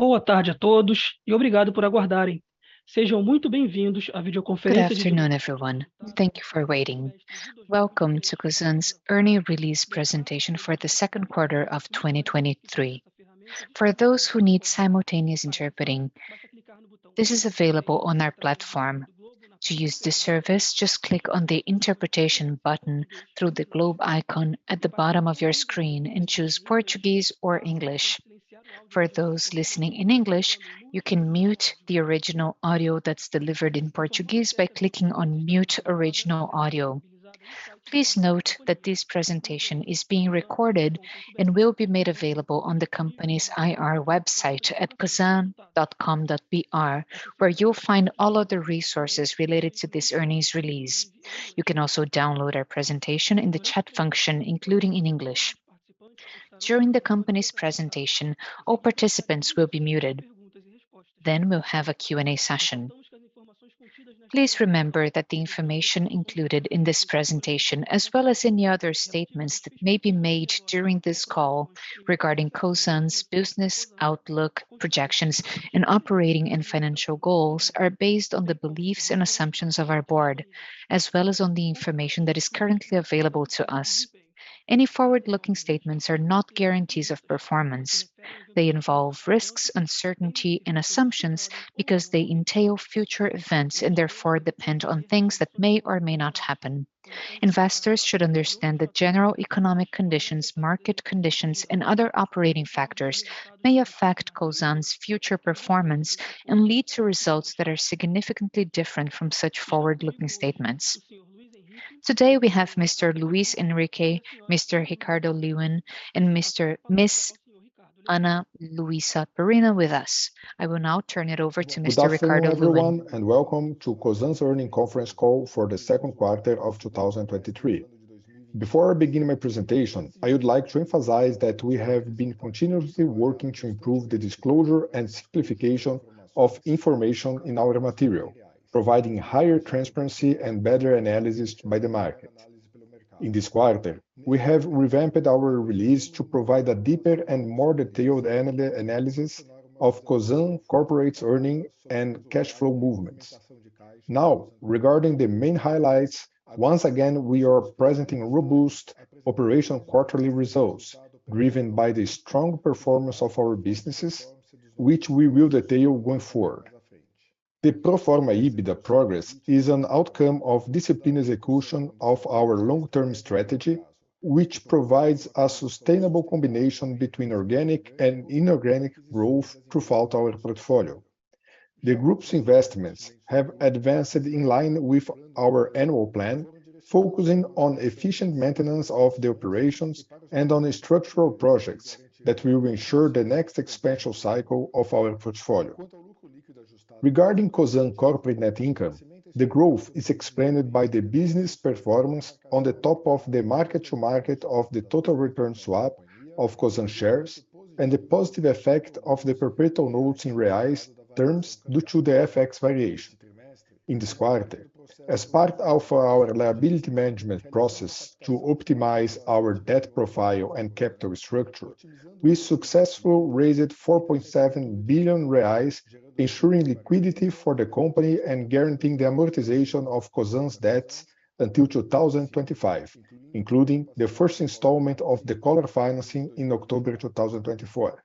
Good afternoon, everyone. Thank you for waiting. Welcome to Cosan's earnings release presentation for the second quarter of 2023. For those who need simultaneous interpreting, this is available on our platform. To use this service, just click on the interpretation button through the globe icon at the bottom of your screen and choose Portuguese or English. For those listening in English, you can mute the original audio that's delivered in Portuguese by clicking on Mute Original Audio. Please note that this presentation is being recorded and will be made available on the company's IR website at cosan.com.br, where you'll find all of the resources related to this earnings release. You can also download our presentation in the chat function, including in English. During the company's presentation, all participants will be muted. We'll have a Q&A session. Please remember that the information included in this presentation, as well as any other statements that may be made during this call regarding Cosan's business outlook, projections, and operating and financial goals, are based on the beliefs and assumptions of our board, as well as on the information that is currently available to us. Any forward-looking statements are not guarantees of performance. They involve risks, uncertainty, and assumptions because they entail future events, and therefore, depend on things that may or may not happen. Investors should understand that general economic conditions, market conditions, and other operating factors may affect Cosan's future performance and lead to results that are significantly different from such forward-looking statements. Today, we have Mr. Luis Henrique, Mr. Ricardo Lewin, and Miss Ana Luisa Perina with us. I will now turn it over to Mr. Ricardo Lewin. Good afternoon, everyone, and welcome to Cosan's earnings conference call for the second quarter of 2023. Before I begin my presentation, I would like to emphasize that we have been continuously working to improve the disclosure and simplification of information in our material, providing higher transparency and better analysis by the market. In this quarter, we have revamped our release to provide a deeper and more detailed analysis of Cosan corporate's earnings and cash flow movements. Now, regarding the main highlights, once again, we are presenting robust operational quarterly results, driven by the strong performance of our businesses, which we will detail going forward. The pro forma EBITDA progress is an outcome of disciplined execution of our long-term strategy, which provides a sustainable combination between organic and inorganic growth throughout our portfolio. The group's investments have advanced in line with our annual plan, focusing on efficient maintenance of the operations and on the structural projects that will ensure the next expansion cycle of our portfolio. Regarding Cosan corporate net income, the growth is explained by the business performance on the top of the mark-to-market of the total return swap of Cosan shares and the positive effect of the perpetual notes in BRL terms due to the FX variation. In this quarter, as part of our liability management process to optimize our debt profile and capital structure, we successfully raised 4.7 billion reais, ensuring liquidity for the company and guaranteeing the amortization of Cosan's debts until 2025, including the first installment of the collar financing in October 2024.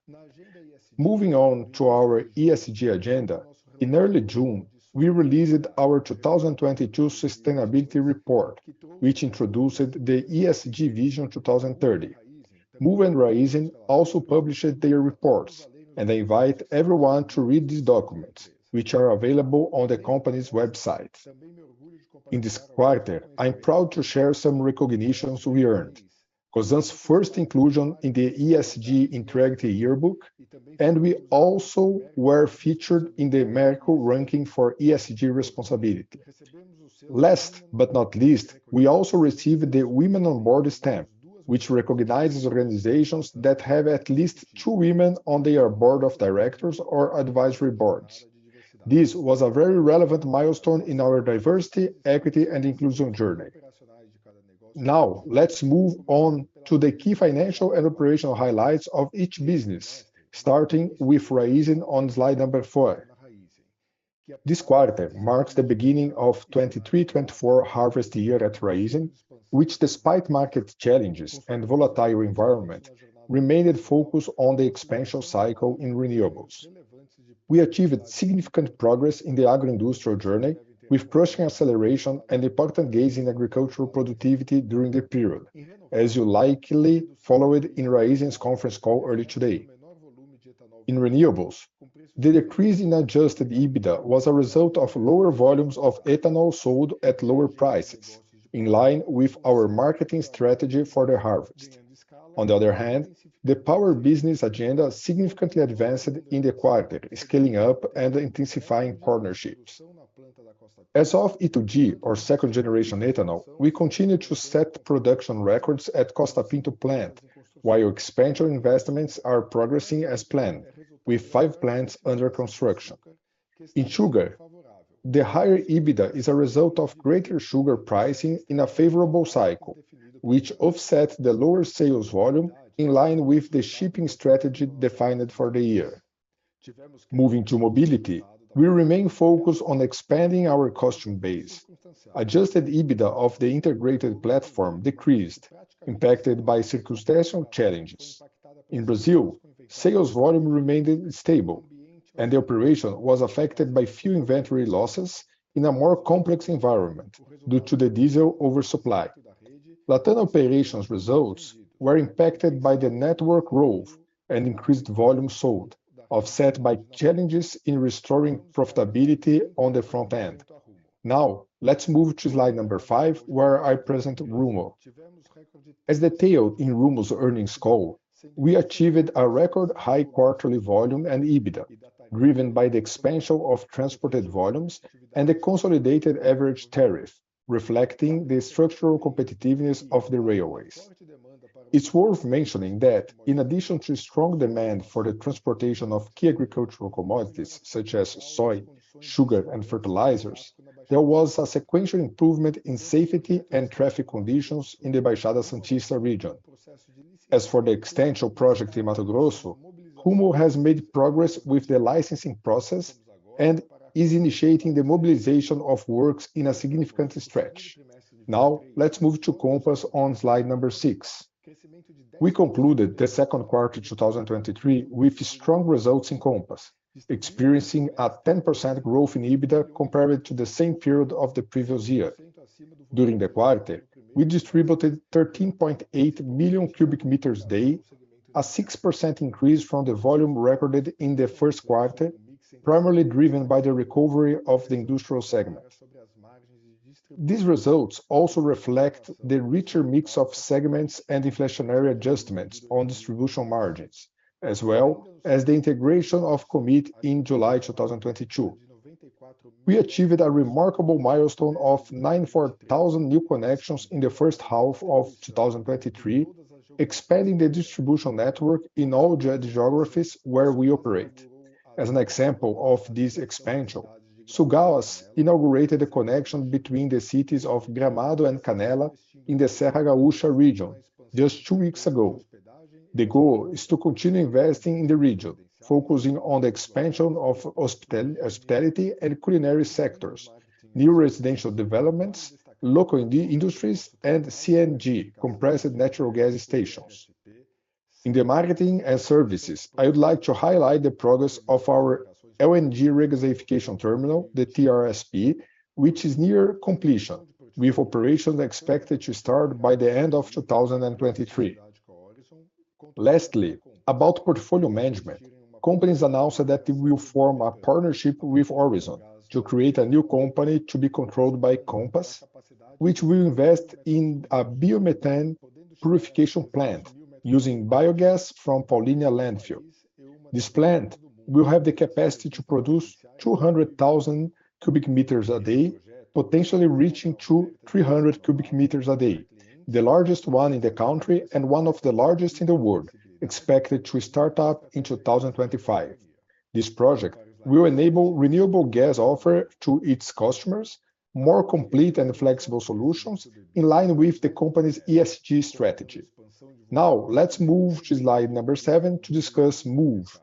Moving on to our ESG agenda, in early June, we released our 2022 sustainability report, which introduced the ESG Vision 2030. Moove and Raizen also published their reports, and I invite everyone to read these documents, which are available on the company's website. In this quarter, I'm proud to share some recognitions we earned. Cosan's first inclusion in the ESG Integrity Yearbook, and we also were featured in the Merco ranking for ESG responsibility. Last but not least, we also received the Women on Board stamp, which recognizes organizations that have at least 2 women on their board of directors or advisory boards. This was a very relevant milestone in our diversity, equity, and inclusion journey. Now, let's move on to the key financial and operational highlights of each business, starting with Raizen on slide number 4. This quarter marks the beginning of 2023, 2024 harvest year at Raizen, which despite market challenges and volatile environment, remained focused on the expansion cycle in renewables. We achieved significant progress in the agro-industrial journey with crushing acceleration and important gains in agricultural productivity during the period, as you likely followed in Raizen's conference call earlier today. In renewables, the decrease in Adjusted EBITDA was a result of lower volumes of ethanol sold at lower prices, in line with our marketing strategy for the harvest. On the other hand, the power business agenda significantly advanced in the quarter, scaling up and intensifying partnerships. As of E2G, our second generation ethanol, we continue to set production records at Costa Pinto plant, while expansion investments are progressing as planned, with five plants under construction. In sugar-... The higher EBITDA is a result of greater sugar pricing in a favorable cycle, which offset the lower sales volume in line with the shipping strategy defined for the year. Moving to mobility, we remain focused on expanding our customer base. Adjusted EBITDA of the integrated platform decreased, impacted by circumstantial challenges. In Brazil, sales volume remained stable, and the operation was affected by few inventory losses in a more complex environment due to the diesel oversupply. Latin operations results were impacted by the network growth and increased volume sold, offset by challenges in restoring profitability on the front end. Now, let's move to slide 5, where I present Rumo. As detailed in Rumo's earnings call, we achieved a record high quarterly volume and EBITDA, driven by the expansion of transported volumes and the consolidated average tariff, reflecting the structural competitiveness of the railways. It's worth mentioning that in addition to strong demand for the transportation of key agricultural commodities such as soy, sugar, and fertilizers, there was a sequential improvement in safety and traffic conditions in the Baixada Santista region. As for the extension project in Mato Grosso, Rumo has made progress with the licensing process and is initiating the mobilization of works in a significant stretch. Now, let's move to Compass on slide number 6. We concluded the second quarter, 2023 with strong results in Compass, experiencing a 10% growth in EBITDA compared to the same period of the previous year. During the quarter, we distributed 13.8 million cubic meters a day, a 6% increase from the volume recorded in the first quarter, primarily driven by the recovery of the industrial segment. These results also reflect the richer mix of segments and inflationary adjustments on distribution margins, as well as the integration of Commit in July 2022. We achieved a remarkable milestone of 94,000 new connections in the first half of 2023, expanding the distribution network in all geographies where we operate. As an example of this expansion, Sulgás inaugurated a connection between the cities of Gramado and Canela in the Serra Gaúcha region just two weeks ago. The goal is to continue investing in the region, focusing on the expansion of hospitality and culinary sectors, new residential developments, local industries, and CNG, compressed natural gas stations. In the marketing and services, I would like to highlight the progress of our LNG regasification terminal, the TRSP, which is near completion, with operations expected to start by the end of 2023. Lastly, about portfolio management, companies announced that they will form a partnership with Orizon to create a new company to be controlled by Compass, which will invest in a biomethane purification plant using biogas from Paulínia landfill. This plant will have the capacity to produce 200,000 cubic meters a day, potentially reaching to 300 cubic meters a day, the largest one in the country and one of the largest in the world, expected to start up in 2025. This project will enable renewable gas offer to its customers, more complete and flexible solutions in line with the company's ESG strategy. Now, let's move to slide number 7 to discuss Moove.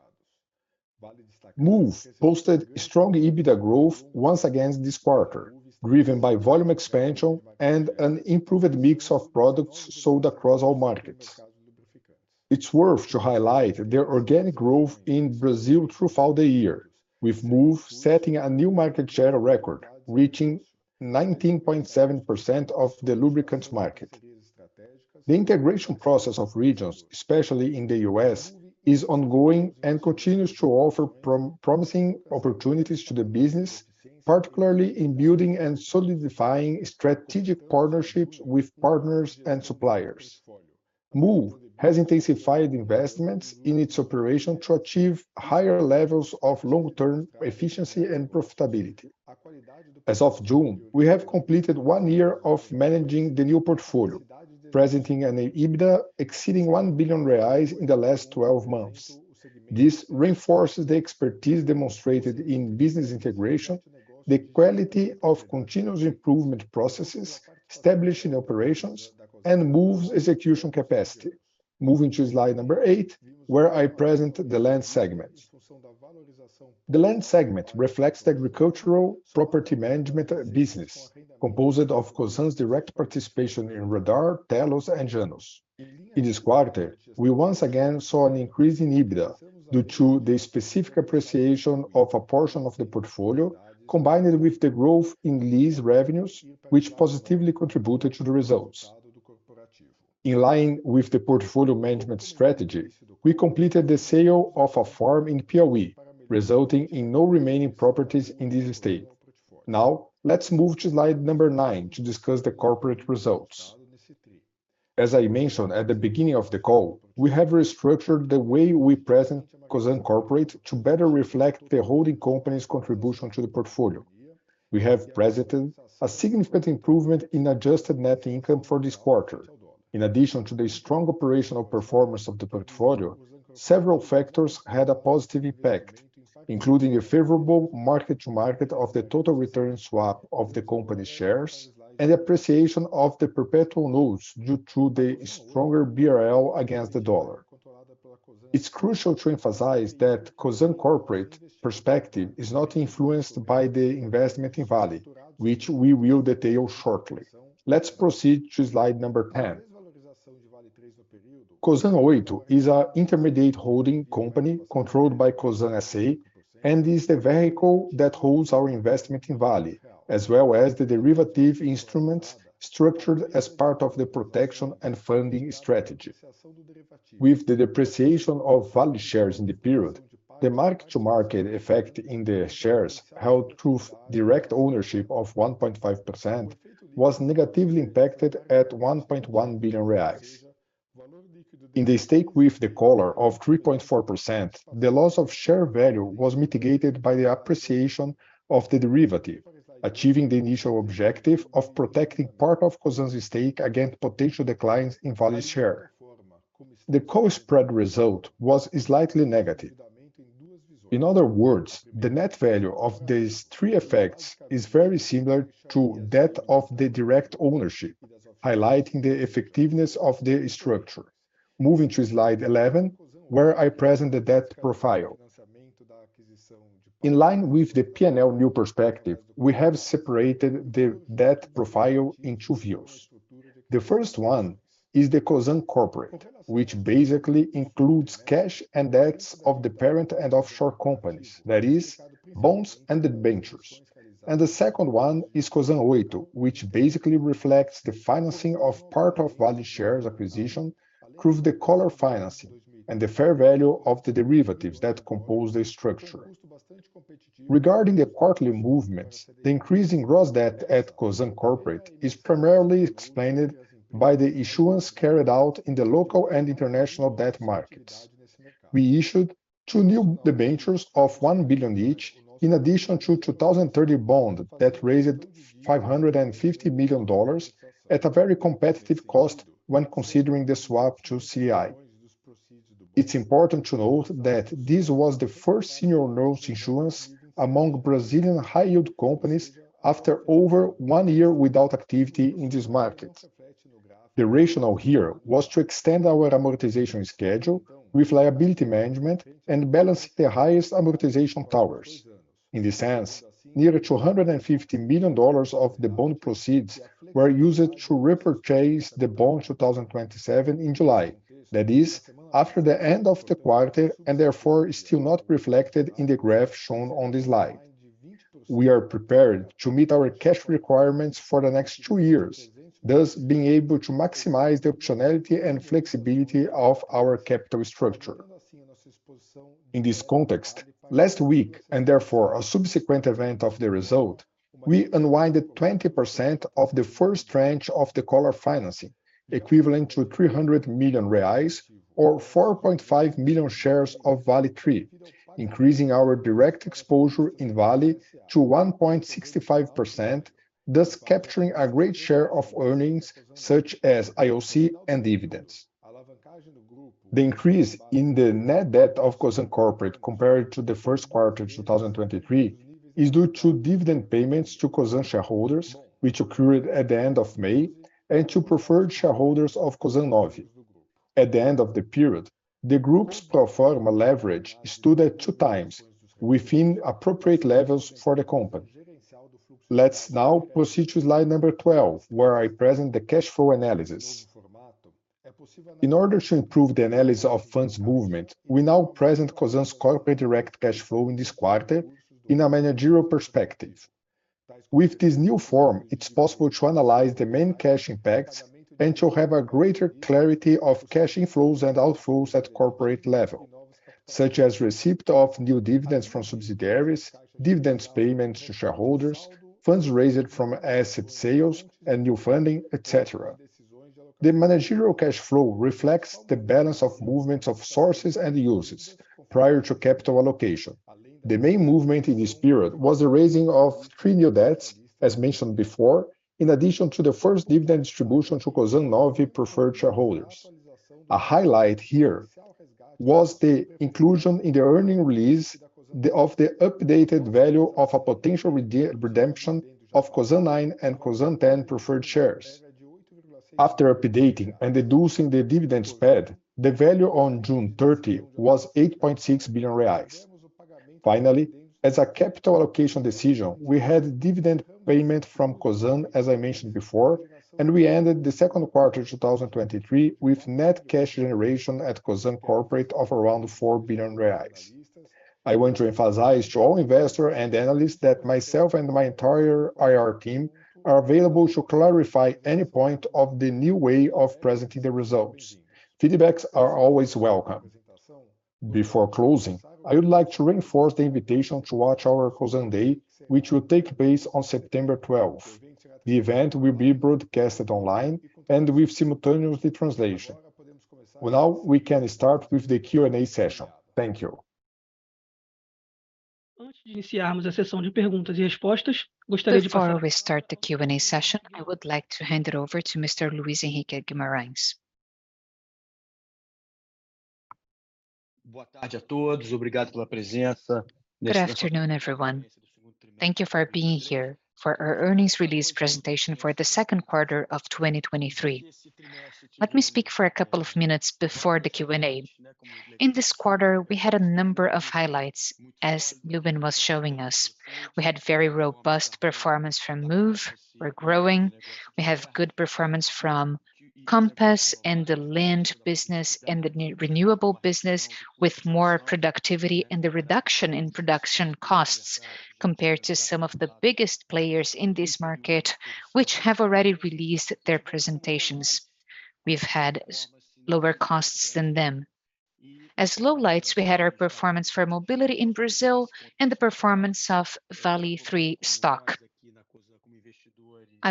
Moove posted strong EBITDA growth once again this quarter, driven by volume expansion and an improved mix of products sold across all markets. It's worth to highlight their organic growth in Brazil throughout the year, with Moove setting a new market share record, reaching 19.7% of the lubricants market. The integration process of regions, especially in the U.S., is ongoing and continues to offer promising opportunities to the business, particularly in building and solidifying strategic partnerships with partners and suppliers. Moove has intensified investments in its operation to achieve higher levels of long-term efficiency and profitability. As of June, we have completed one year of managing the new portfolio, presenting an EBITDA exceeding 1 billion reais in the last 12 months. This reinforces the expertise demonstrated in business integration, the quality of continuous improvement processes, establishing operations, and Moove's execution capacity. Moving to slide number 8, where I present the land segment. The land segment reflects the agricultural property management business, composed of Cosan's direct participation in Radar, Telos, and Janos. In this quarter, we once again saw an increase in EBITDA due to the specific appreciation of a portion of the portfolio, combined with the growth in lease revenues, which positively contributed to the results. In line with the portfolio management strategy, we completed the sale of a farm in Piauí, resulting in no remaining properties in this state. Now, let's move to slide number 9 to discuss the corporate results. As I mentioned at the beginning of the call, we have restructured the way we present Cosan Corporate to better reflect the holding company's contribution to the portfolio. We have presented a significant improvement in adjusted net income for this quarter. In addition to the strong operational performance of the portfolio, several factors had a positive impact, including a favorable mark-to-market of the total return swap of the company's shares and appreciation of the perpetual notes due to the stronger BRL against the USD. It's crucial to emphasize that Cosan corporate perspective is not influenced by the investment in Vale, which we will detail shortly. Let's proceed to slide number 10. Cosan Oito is our intermediate holding company, controlled by Cosan S.A., and is the vehicle that holds our investment in Vale, as well as the derivative instruments structured as part of the protection and funding strategy. With the depreciation of Vale shares in the period, the mark-to-market effect in the shares, held through direct ownership of 1.5%, was negatively impacted at 1.1 billion reais. In the stake with the collar of 3.4%, the loss of share value was mitigated by the appreciation of the derivative, achieving the initial objective of protecting part of Cosan's stake against potential declines in Vale's share. The call spread result was slightly negative. In other words, the net value of these three effects is very similar to that of the direct ownership, highlighting the effectiveness of the structure. Moving to slide 11, where I present the debt profile. In line with the PNL New Perspective, we have separated the debt profile in two views. The first one is the Cosan Corporate, which basically includes cash and debts of the parent and offshore companies, that is, bonds and debentures. The second one is Cosan Oito, which basically reflects the financing of part of Vale shares acquisition through the collar financing and the fair value of the derivatives that compose the structure. Regarding the quarterly movements, the increase in gross debt at Cosan Corporate is primarily explained by the issuance carried out in the local and international debt markets. We issued two new debentures of 1 billion each, in addition to 2030 bond that raised $550 million at a very competitive cost when considering the swap to CDI. It's important to note that this was the first senior notes issuance among Brazilian high-yield companies after over 1 year without activity in this market. The rationale here was to extend our amortization schedule with liability management and balance the highest amortization towers. In this sense, nearly $250 million of the bond proceeds were used to repurchase the bond 2027 in July, that is, after the end of the quarter, and therefore, is still not reflected in the graph shown on this slide. We are prepared to meet our cash requirements for the next two years, thus being able to maximize the optionality and flexibility of our capital structure. In this context, last week, and therefore a subsequent event of the result, we unwinded 20% of the first tranche of the collar financing, equivalent to 300 million reais or 4.5 million shares of VALE3, increasing our direct exposure in Vale to 1.65%, thus capturing a great share of earnings such as IOC and dividends. The increase in the net debt of Cosan Corporate, compared to the first quarter of 2023, is due to dividend payments to Cosan shareholders, which occurred at the end of May, and to preferred shareholders of Cosan Novi. At the end of the period, the group's pro forma leverage stood at two times within appropriate levels for the company. Let's now proceed to slide number 12, where I present the cash flow analysis. In order to improve the analysis of funds movement, we now present Cosan's corporate direct cash flow in this quarter in a managerial perspective. With this new form, it's possible to analyze the main cash impacts and to have a greater clarity of cash inflows and outflows at corporate level, such as receipt of new dividends from subsidiaries, dividends payments to shareholders, funds raised from asset sales and new funding, et cetera. The managerial cash flow reflects the balance of movements of sources and uses prior to capital allocation. The main movement in this period was the raising of 3 new debts, as mentioned before, in addition to the first dividend distribution to Cosan Novi preferred shareholders. A highlight here was the inclusion in the earnings release, of the updated value of a potential redemption of Cosan nine and Cosan ten preferred shares. After updating and deducing the dividends paid, the value on June 30 was 8.6 billion reais. Finally, as a capital allocation decision, we had dividend payment from Cosan, as I mentioned before, and we ended the 2Q 2023 with net cash generation at Cosan Corporate of around 4 billion reais. I want to emphasize to all investors and analysts that myself and my entire IR team are available to clarify any point of the new way of presenting the results. Feedbacks are always welcome. Before closing, I would like to reinforce the invitation to watch our Cosan Day, which will take place on September 12. The event will be broadcasted online and with simultaneously translation. Now we can start with the Q&A session. Thank you. ...Before we start the Q&A session, I would like to hand it over to Mr. Luis Henrique Guimaraes. Good afternoon, everyone. Thank you for being here for our earnings release presentation for the second quarter of 2023. Let me speak for a couple of minutes before the Q&A. In this quarter, we had a number of highlights, as Lewin was showing us. We had very robust performance from Moove. We're growing. We have good performance from Compass and the land business and the new renewable business, with more productivity and the reduction in production costs compared to some of the biggest players in this market, which have already released their presentations. We've had lower costs than them. As lowlights, we had our performance for mobility in Brazil and the performance of VALE3. I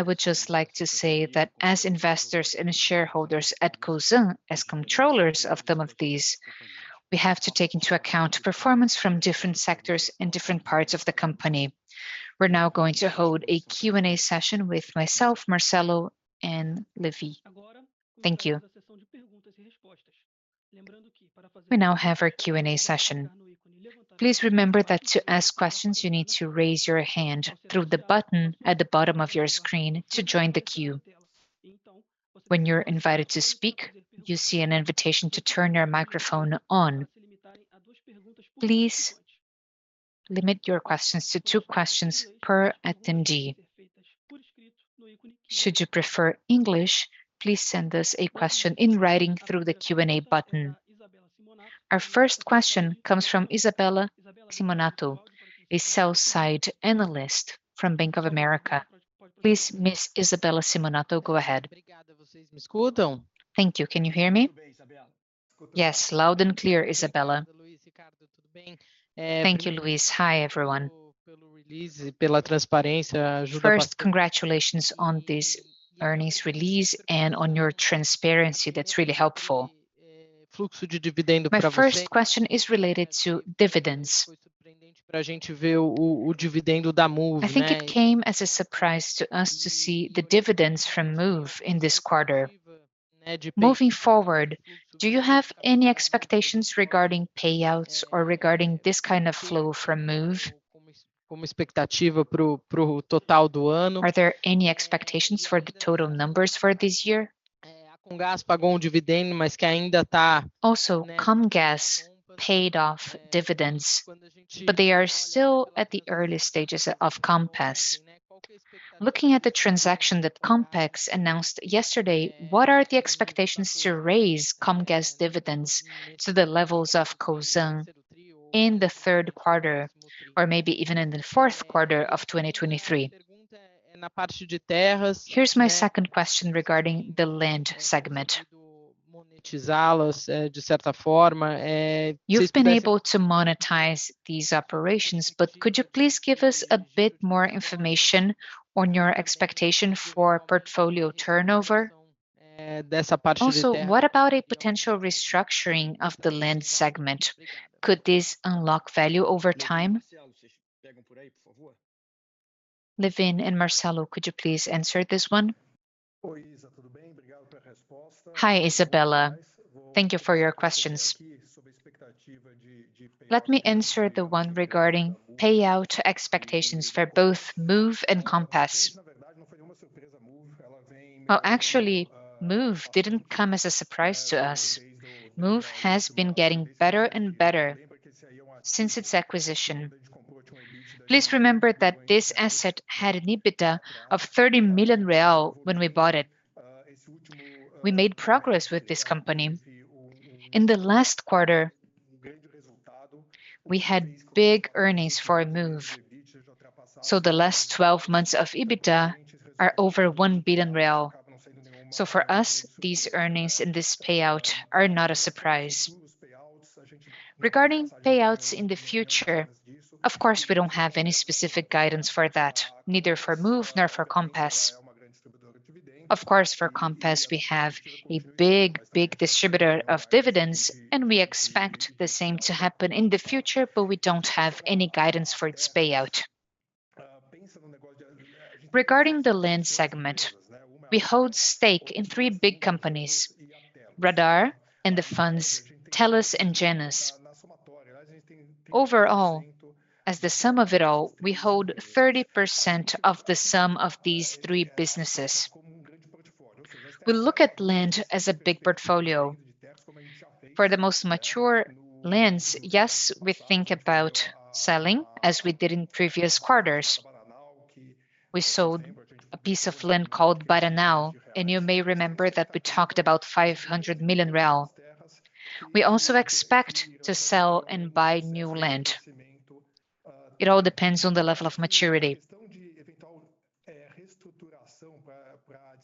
would just like to say that as investors and shareholders at Cosan, as controllers of some of these, we have to take into account performance from different sectors in different parts of the company. We're now going to hold a Q&A session with myself, Marcelo, and Lewin. Thank you. We now have our Q&A session. Please remember that to ask questions, you need to raise your hand through the button at the bottom of your screen to join the queue. When you're invited to speak, you see an invitation to turn your microphone on. Please limit your questions to two questions per attendee. Should you prefer English, please send us a question in writing through the Q&A button. Our first question comes from Isabella Simonato, a Sell-Side Analyst from Bank of America. Please, Ms. Isabella Simonato, go ahead. Thank you. Can you hear me? Yes, loud and clear, Isabella. Thank you, Luis. Hi, everyone. First, congratulations on this earnings release and on your transparency. That's really helpful. My first question is related to dividends. I think it came as a surprise to us to see the dividends from Moove in this quarter. Moving forward, do you have any expectations regarding payouts or regarding this kind of flow from Moove? Are there any expectations for the total numbers for this year? Also, Comgas paid off dividends, but they are still at the early stages of Compass. Looking at the transaction that Compass announced yesterday, what are the expectations to raise Comgas dividends to the levels of Cosan in the third quarter, or maybe even in the fourth quarter of 2023? Here's my second question regarding the land segment. You've been able to monetize these operations, could you please give us a bit more information on your expectation for portfolio turnover? What about a potential restructuring of the land segment? Could this unlock value over time? Lewin and Marcelo, could you please answer this one? Hi, Isabella. Thank you for your questions. Let me answer the one regarding payout expectations for both Moove and Compass. Well, actually, Moove didn't come as a surprise to us. Moove has been getting better and better since its acquisition. Please remember that this asset had an EBITDA of 30 million real when we bought it. We made progress with this company. In the last quarter, we had big earnings for a Moove, the last 12 months of EBITDA are over 1 billion real. For us, these earnings and this payout are not a surprise. Regarding payouts in the future, of course, we don't have any specific guidance for that, neither for Moove nor for Compass. Of course, for Compass, we have a big, big distributor of dividends, and we expect the same to happen in the future, but we don't have any guidance for its payout. Regarding the land segment, we hold stake in three big companies, Radar and the funds, Telus and Janus. Overall, as the sum of it all, we hold 30% of the sum of these three businesses. We look at land as a big portfolio. For the most mature lands, yes, we think about selling, as we did in previous quarters. We sold a piece of land called Paranau, and you may remember that we talked about 500 million real. We also expect to sell and buy new land. It all depends on the level of maturity.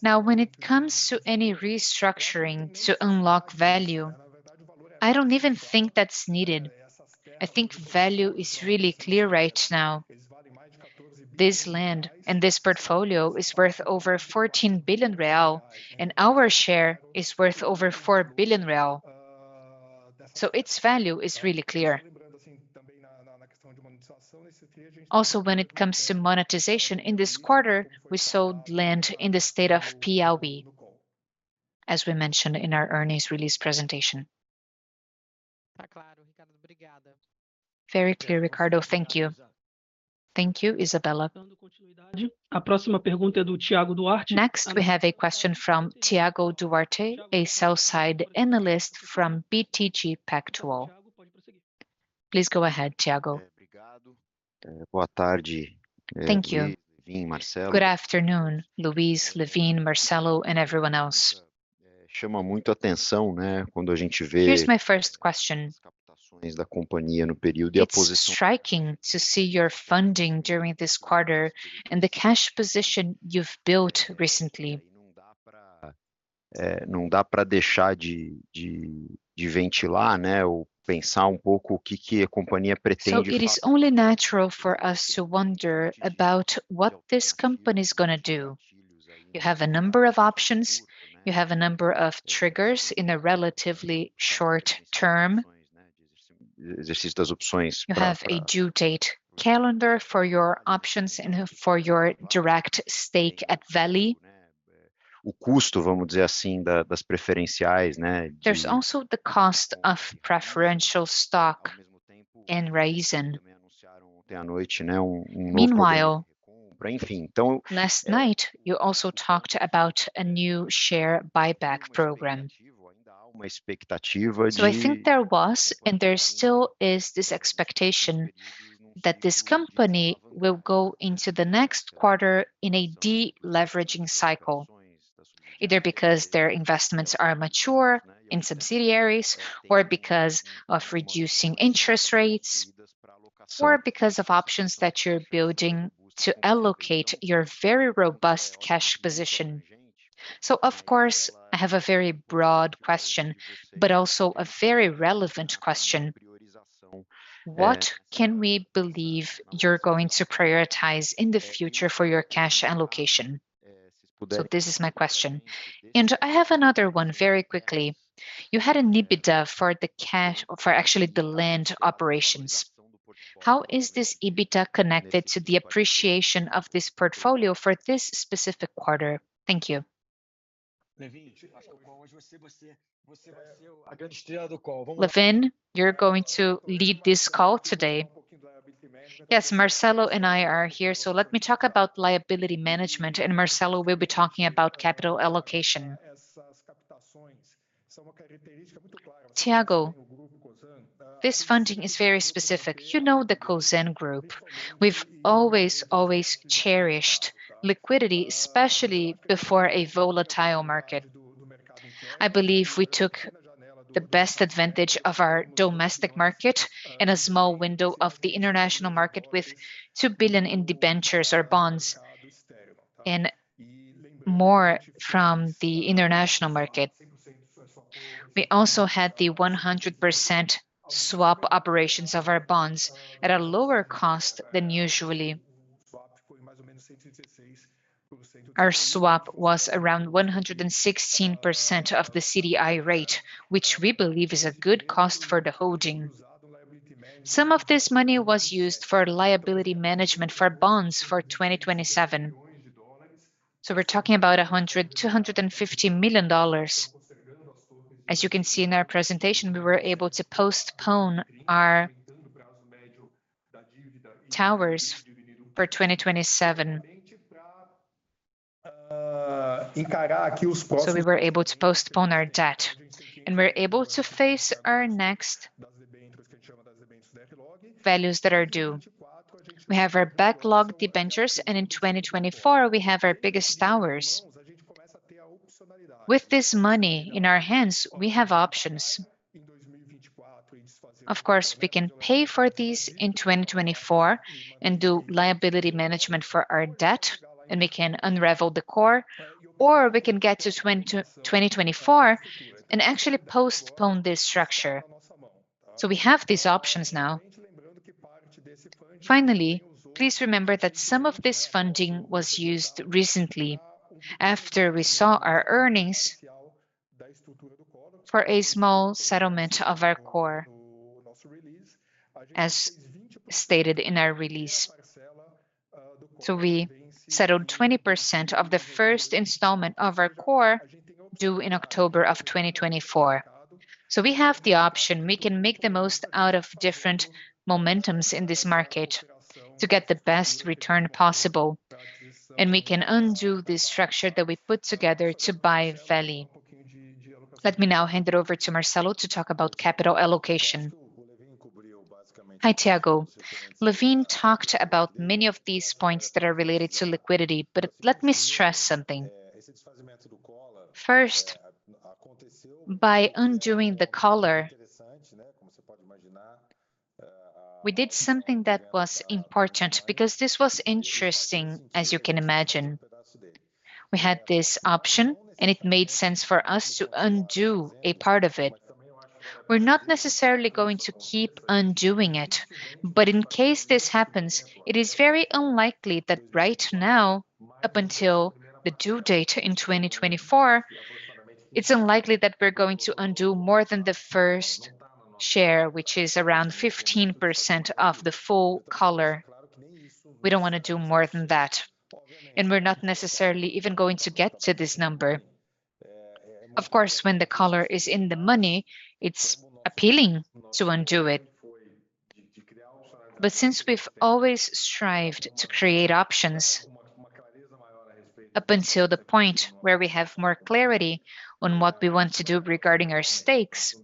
When it comes to any restructuring to unlock value, I don't even think that's needed. I think value is really clear right now. This land and this portfolio is worth over 14 billion real, and our share is worth over 4 billion real. Its value is really clear. When it comes to monetization, in this quarter, we sold land in the state of Piaui, as we mentioned in our earnings release presentation. Very clear, Ricardo. Thank you. Thank you, Isabella. Next, we have a question from Thiago Duarte, a sell-side analyst from BTG Pactual. Please go ahead, Thiago. Thank you. Good afternoon, Luis Henrique, Lewin, Marcelo, and everyone else. Here's my first question. It's striking to see your funding during this quarter and the cash position you've built recently. It is only natural for us to wonder about what this company's gonna do. You have a number of options, you have a number of triggers in a relatively short term. You have a due date calendar for your options and for your direct stake at Vale. There's also the cost of preferential stock in Raizen. Meanwhile, last night, you also talked about a new share buyback program. I think there was, and there still is, this expectation that this company will go into the next quarter in a deleveraging cycle, either because their investments are mature in subsidiaries or because of reducing interest rates, or because of options that you're building to allocate your very robust cash position. Of course, I have a very broad question, but also a very relevant question: What can we believe you're going to prioritize in the future for your cash allocation? This is my question, and I have another one very quickly. You had an EBITDA for actually the land operations. How is this EBITDA connected to the appreciation of this portfolio for this specific quarter? Thank you. Lewin, you're going to lead this call today. Yes, Marcelo and I are here, so let me talk about liability management, and Marcelo will be talking about capital allocation. Thiago, this funding is very specific. You know the Cosan Group. We've always, always cherished liquidity, especially before a volatile market. I believe we took the best advantage of our domestic market and a small window of the international market with $2 billion in debentures or bonds, and more from the international market. We also had the 100% swap operations of our bonds at a lower cost than usually. Our swap was around 116% of the CDI rate, which we believe is a good cost for the holding. Some of this money was used for liability management for bonds for 2027. We're talking about a hundred, $250 million. As you can see in our presentation, we were able to postpone our towers for 2027. We were able to postpone our debt, and we're able to face our next values that are due. We have our backlog debentures, and in 2024, we have our biggest towers. With this money in our hands, we have options. Of course, we can pay for these in 2024 and do liability management for our debt, and we can unravel the Collar, or we can get to 2024 and actually postpone this structure. We have these options now. Finally, please remember that some of this funding was used recently, after we saw our earnings, for a small settlement of our Collar, as stated in our release. We settled 20% of the first installment of our Collar, due in October of 2024. We have the option. We can make the most out of different momentums in this market to get the best return possible, and we can undo the structure that we put together to buy Vale. Let me now hand it over to Marcelo to talk about capital allocation. Hi, Thiago. Lewin talked about many of these points that are related to liquidity, let me stress something. First, by undoing the collar, we did something that was important because this was interesting, as you can imagine. We had this option, and it made sense for us to undo a part of it. We're not necessarily going to keep undoing it, in case this happens, it is very unlikely that right now-... up until the due date in 2024, it's unlikely that we're going to undo more than the first share, which is around 15% of the full collar. We don't wanna do more than that, and we're not necessarily even going to get to this number. Of course, when the collar is in the money, it's appealing to undo it. Since we've always strived to create options up until the point where we have more clarity on what we want to do regarding our stakes,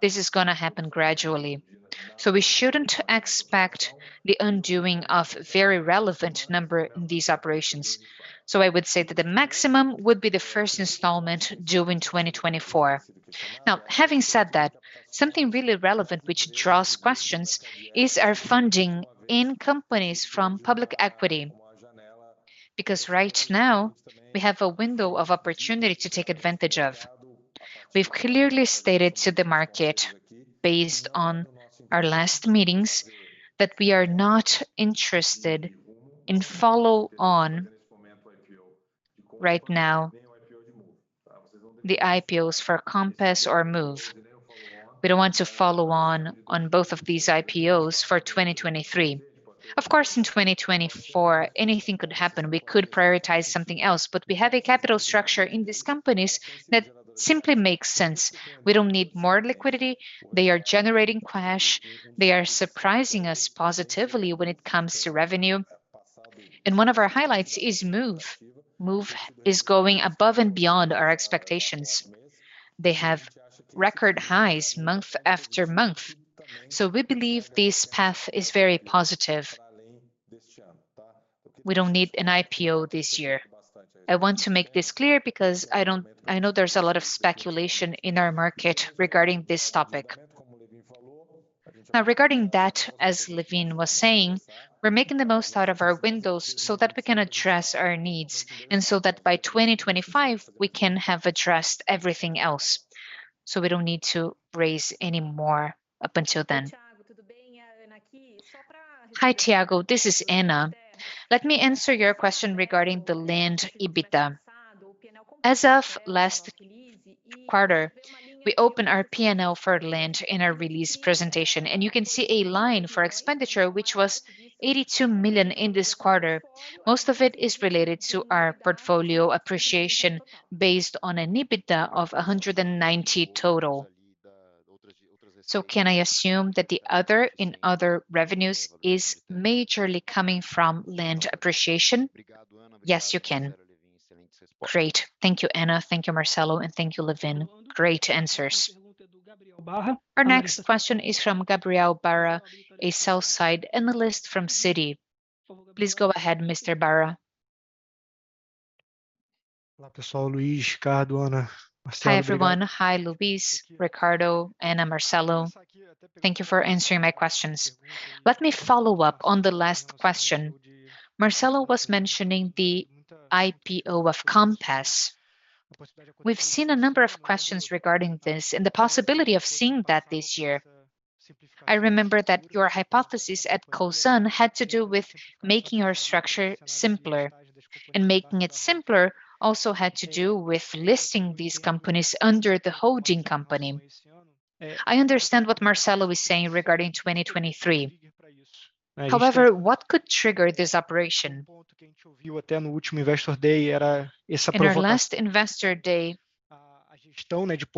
this is gonna happen gradually. We shouldn't expect the undoing of very relevant number in these operations. I would say that the maximum would be the first installment due in 2024. Having said that, something really relevant which draws questions is our funding in companies from public equity. Right now, we have a window of opportunity to take advantage of. We've clearly stated to the market, based on our last meetings, that we are not interested in follow on right now the IPOs for Compass or Moove. We don't want to follow on on both of these IPOs for 2023. Of course, in 2024, anything could happen. We could prioritize something else, but we have a capital structure in these companies that simply makes sense. We don't need more liquidity. They are generating cash. They are surprising us positively when it comes to revenue, and one of our highlights is Moove. Moove is going above and beyond our expectations. They have record highs month after month, so we believe this path is very positive. We don't need an IPO this year. I want to make this clear because I know there's a lot of speculation in our market regarding this topic. Now, regarding that, as Lewin was saying, we're making the most out of our windows so that we can address our needs, and so that by 2025, we can have addressed everything else, so we don't need to raise any more up until then. Hi, Thiago. This is Ana Luisa. Let me answer your question regarding the land EBITDA. As of last quarter, we opened our P&L for land in our release presentation, and you can see a line for expenditure, which was 82 million in this quarter. Most of it is related to our portfolio appreciation based on an EBITDA of 190 total. Can I assume that the other, in other revenues, is majorly coming from land appreciation? Yes, you can. Great. Thank you, Anna. Thank you, Marcelo. Thank you, Lewin. Great answers. Our next question is from Gabriel Barra, a sell-side analyst from Citi. Please go ahead, Mr. Barra. Hi, everyone. Hi, Luis, Ricardo, Anna, Marcelo. Thank you for answering my questions. Let me follow up on the last question. Marcelo was mentioning the IPO of Compass. We've seen a number of questions regarding this and the possibility of seeing that this year. I remember that your hypothesis at Cosan had to do with making our structure simpler. Making it simpler also had to do with listing these companies under the holding company. I understand what Marcelo is saying regarding 2023. However, what could trigger this operation? In our last Investor Day,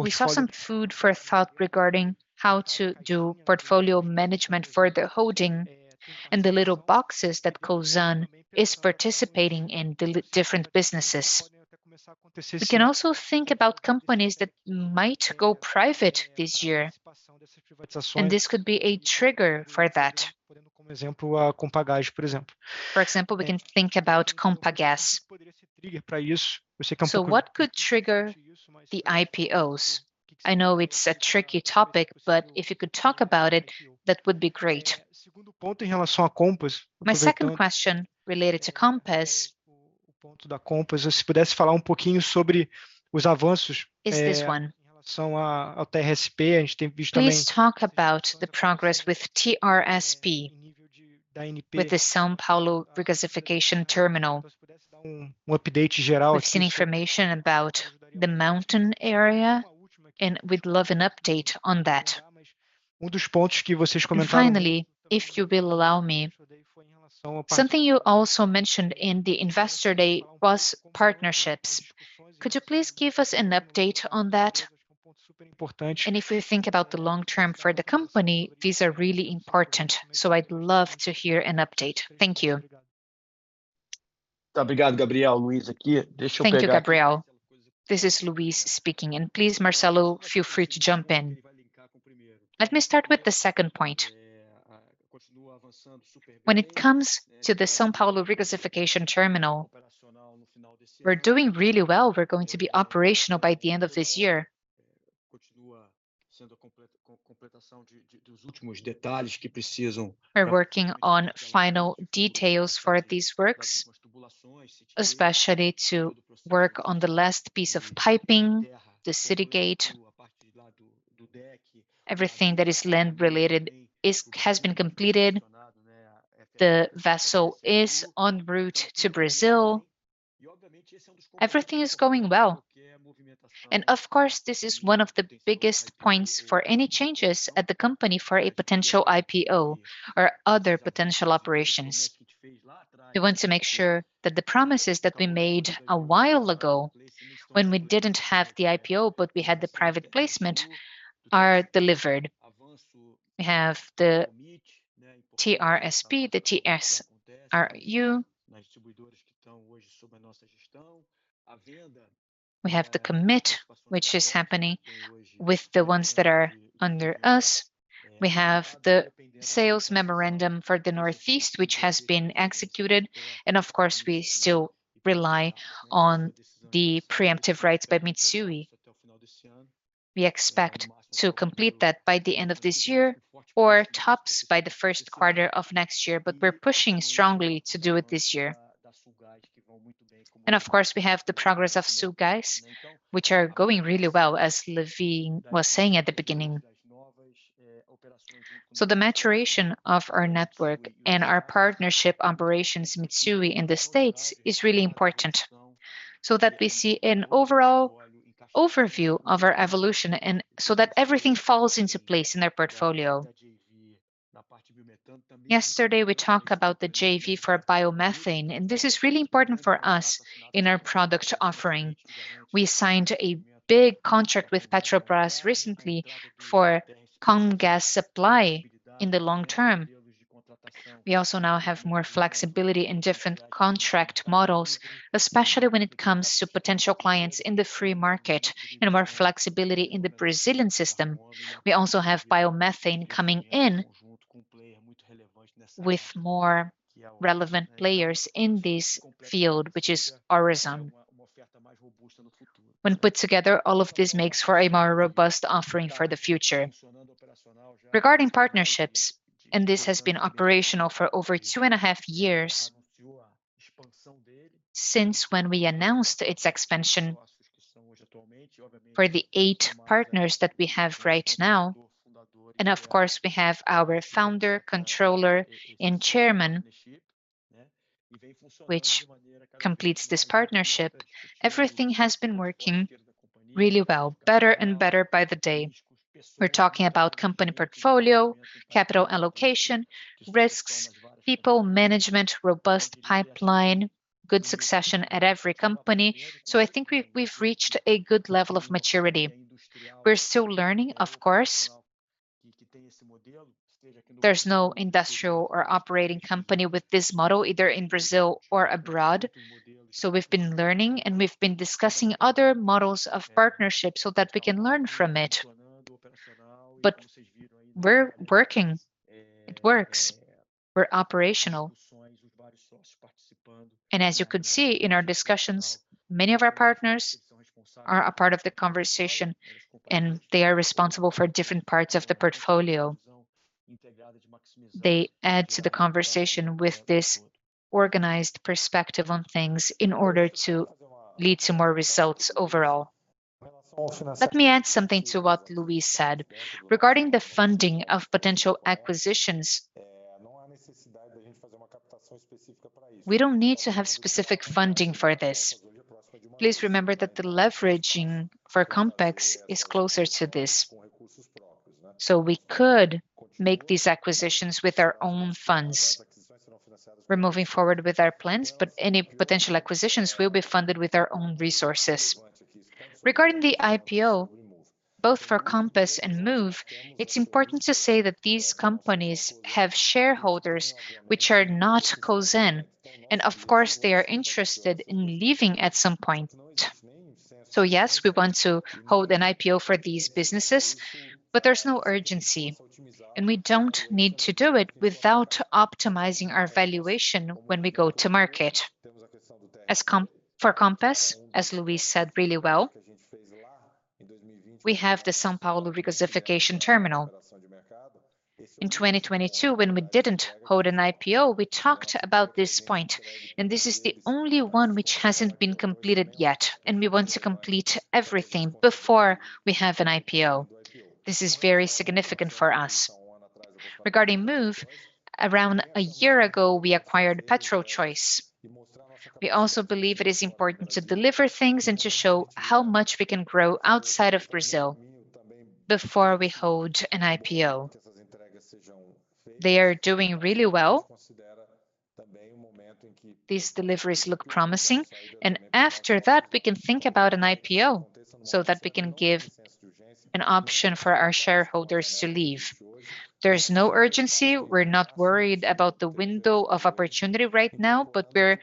we saw some food for thought regarding how to do portfolio management for the holding and the little boxes that Cosan is participating in the different businesses. We can also think about companies that might go private this year, and this could be a trigger for that. For example, we can think about Compass. What could trigger the IPOs? I know it's a tricky topic, but if you could talk about it, that would be great. My second question related to Compass is this one: Please talk about the progress with TRSP, with the São Paulo Regasification Terminal. We've seen information about the mountain area, and we'd love an update on that. Finally, if you will allow me, something you also mentioned in the Investor Day was partnerships. Could you please give us an update on that? If we think about the long term for the company, these are really important, so I'd love to hear an update. Thank you. Thank you, Gabriel. This is Luis speaking, and please, Marcelo, feel free to jump in. Let me start with the second point. When it comes to the São Paulo regasification terminal, we're doing really well. We're going to be operational by the end of this year. We're working on final details for these works, especially to work on the last piece of piping, the City gate, everything that is land-related has been completed. The vessel is en route to Brazil. Everything is going well. Of course, this is one of the biggest points for any changes at the company for a potential IPO or other potential operations. We want to make sure that the promises that we made a while ago when we didn't have the IPO, but we had the private placement, are delivered. We have the TRSP, the FSRU. We have the Commit, which is happening with the ones that are under us. We have the sales memorandum for the Northeast, which has been executed. Of course, we still rely on the preemptive rights by Mitsui. We expect to complete that by the end of this year or tops by the first quarter of next year, but we're pushing strongly to do it this year. Of course, we have the progress of Sulgas, which are going really well, as Lewin was saying at the beginning. The maturation of our network and our partnership operations, Mitsui, in the States, is really important, so that we see an overall overview of our evolution and so that everything falls into place in their portfolio. Yesterday, we talked about the JV for biomethane. This is really important for us in our product offering. We signed a big contract with Petrobras recently for Comgas supply in the long term. We also now have more flexibility in different contract models, especially when it comes to potential clients in the free market and more flexibility in the Brazilian system. We also have biomethane coming in with more relevant players in this field, which is our zone. When put together, all of this makes for a more robust offering for the future. Regarding partnerships, this has been operational for over 2.5 years, since when we announced its expansion for the 8 partners that we have right now. Of course, we have our founder, controller, and chairman, which completes this partnership. Everything has been working really well, better and better by the day. We're talking about company portfolio, capital allocation, risks, people management, robust pipeline, good succession at every company. I think we've, we've reached a good level of maturity. We're still learning, of course. There's no industrial or operating company with this model, either in Brazil or abroad. We've been learning, and we've been discussing other models of partnership so that we can learn from it. We're working. It works. We're operational. As you could see in our discussions, many of our partners are a part of the conversation, and they are responsible for different parts of the portfolio. They add to the conversation with this organized perspective on things in order to lead to more results overall. Let me add something to what Luis said. Regarding the funding of potential acquisitions, we don't need to have specific funding for this. Please remember that the leveraging for Compass is closer to this. We could make these acquisitions with our own funds. We're moving forward with our plans, but any potential acquisitions will be funded with our own resources. Regarding the IPO, both for Compass and Moove, it's important to say that these companies have shareholders which are not Cosan, and of course, they are interested in leaving at some point. Yes, we want to hold an IPO for these businesses, but there's no urgency. We don't need to do it without optimizing our valuation when we go to market. As for Compass, as Luis said really well, we have the São Paulo regasification terminal. In 2022, when we didn't hold an IPO, we talked about this point. This is the only one which hasn't been completed yet. We want to complete everything before we have an IPO. This is very significant for us. Regarding Moove, around a year ago, we acquired PetroChoice. We also believe it is important to deliver things and to show how much we can grow outside of Brazil before we hold an IPO. They are doing really well. These deliveries look promising, after that, we can think about an IPO so that we can give an option for our shareholders to leave. There's no urgency. We're not worried about the window of opportunity right now, we're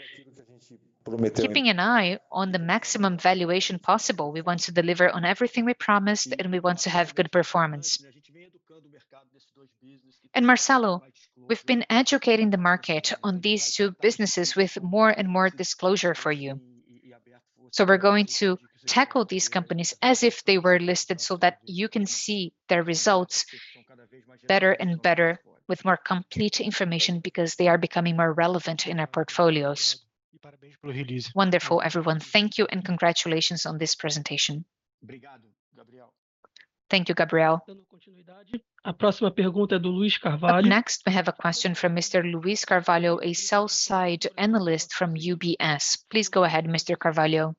keeping an eye on the maximum valuation possible. We want to deliver on everything we promised, we want to have good performance. Marcelo, we've been educating the market on these two businesses with more and more disclosure for you. We're going to tackle these companies as if they were listed so that you can see their results better and better with more complete information because they are becoming more relevant in our portfolios. Wonderful, everyone. Thank you, congratulations on this presentation. Thank you, Gabriel. Up next, we have a question from Mr. Luis Carvalho, a sell-side analyst from UBS. Please go ahead, Mr. Carvalho.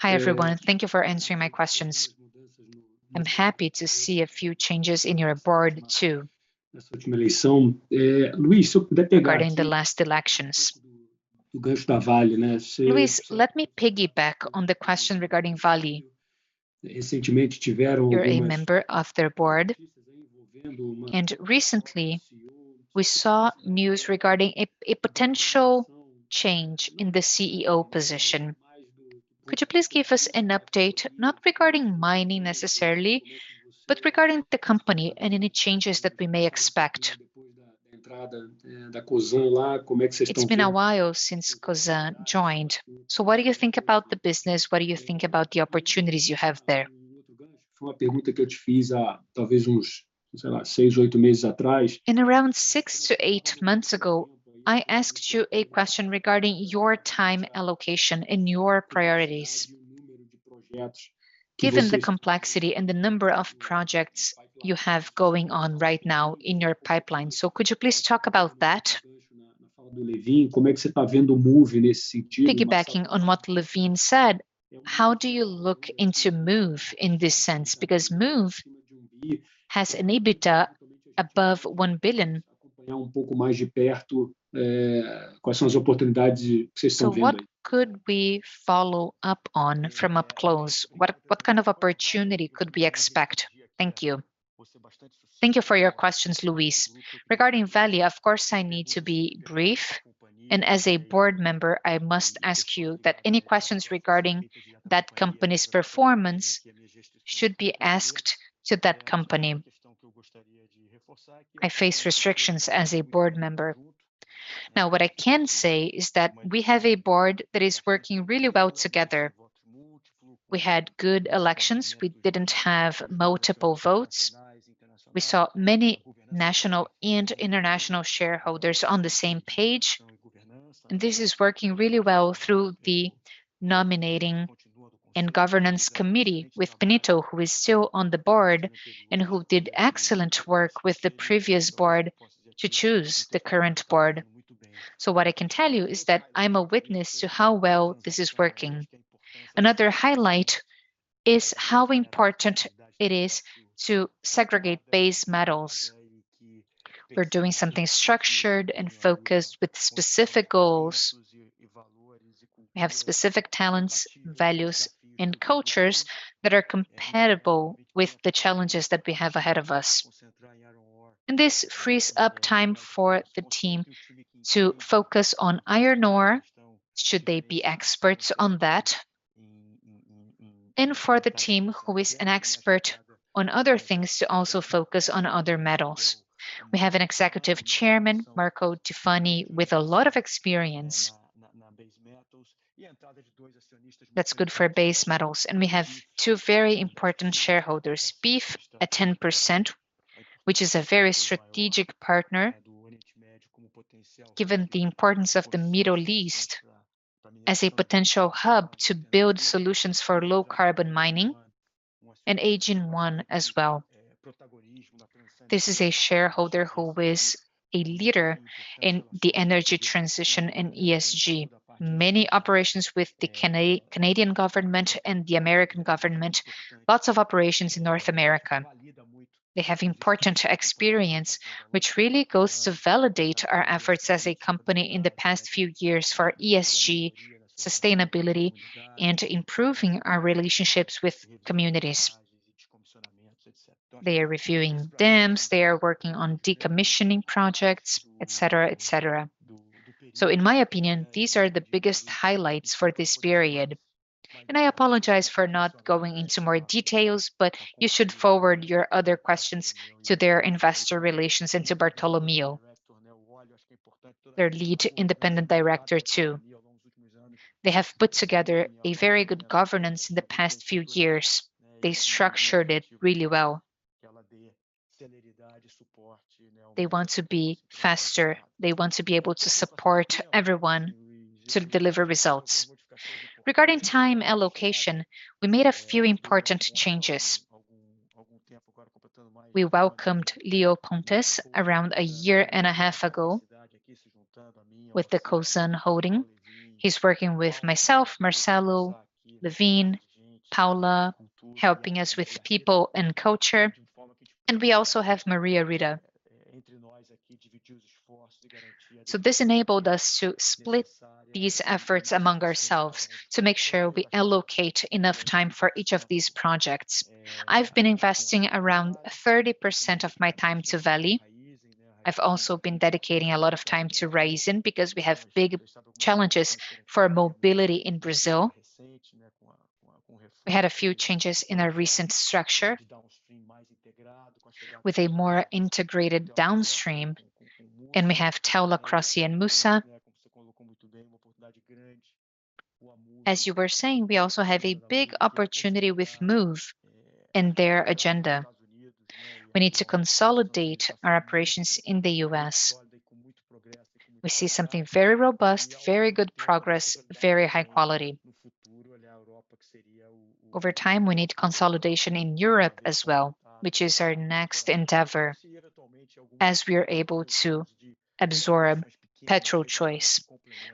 Hi, everyone. Thank you for answering my questions. I'm happy to see a few changes in your board, too, regarding the last elections. Luis, let me piggyback on the question regarding Vale. You're a member of their board, recently, we saw news regarding a potential change in the CEO position. Could you please give us an update, not regarding mining necessarily, but regarding the company and any changes that we may expect? It's been a while since Cosan joined. What do you think about the business? What do you think about the opportunities you have there? Around 6 to 8 months ago, I asked you a question regarding your time allocation and your priorities, given the complexity and the number of projects you have going on right now in your pipeline. Could you please talk about that? Piggybacking on what Lewin said, how do you look into Moove in this sense? Moove has an EBITDA above 1 billion. What could we follow up on from up close? What, what kind of opportunity could we expect? Thank you. Thank you for your questions, Luis. Regarding Vale, of course, I need to be brief, as a board member, I must ask you that any questions regarding that company's performance should be asked to that company. I face restrictions as a board member. What I can say is that we have a board that is working really well together. We had good elections. We didn't have multiple votes. We saw many national and international shareholders on the same page, and this is working really well through the nominating and governance committee with Benito, who is still on the board and who did excellent work with the previous board to choose the current board. What I can tell you is that I'm a witness to how well this is working. Another highlight is how important it is to segregate base metals. We're doing something structured and focused with specific goals. We have specific talents, values, and cultures that are compatible with the challenges that we have ahead of us. This frees up time for the team to focus on iron ore, should they be experts on that, and for the team who is an expert on other things to also focus on other metals. We have an executive chairman, Mark Cutifani, with a lot of experience. That's good for base metals, we have two very important shareholders, PIF at 10%, which is a very strategic partner, given the importance of the Middle East as a potential hub to build solutions for low-carbon mining, and Manara Minerals as well. This is a shareholder who is a leader in the energy transition in ESG. Many operations with the Canadian government and the American government, lots of operations in North America. They have important experience, which really goes to validate our efforts as a company in the past few years for ESG, sustainability, and improving our relationships with communities. They are reviewing dams, they are working on decommissioning projects, et cetera, et cetera. In my opinion, these are the biggest highlights for this period. I apologize for not going into more details, but you should forward your other questions to their investor relations and to Bartolomeo, their lead independent director, too. They have put together a very good governance in the past few years. They structured it really well. They want to be faster. They want to be able to support everyone to deliver results. Regarding time allocation, we made a few important changes. We welcomed Leo Pontes around a year and a half ago with the Cosan holding. He's working with myself, Marcelo, Lewin, Paula, helping us with people and culture, and we also have Maria Rita. This enabled us to split these efforts among ourselves to make sure we allocate enough time for each of these projects. I've been investing around 30% of my time to Vale. I've also been dedicating a lot of time to Raizen because we have big challenges for mobility in Brazil. We had a few changes in our recent structure with a more integrated downstream, and we have Tella, Crossi, and Musa. As you were saying, we also have a big opportunity with Moove and their agenda.... We need to consolidate our operations in the U.S. We see something very robust, very good progress, very high quality. Over time, we need consolidation in Europe as well, which is our next endeavor, as we are able to absorb PetroChoice.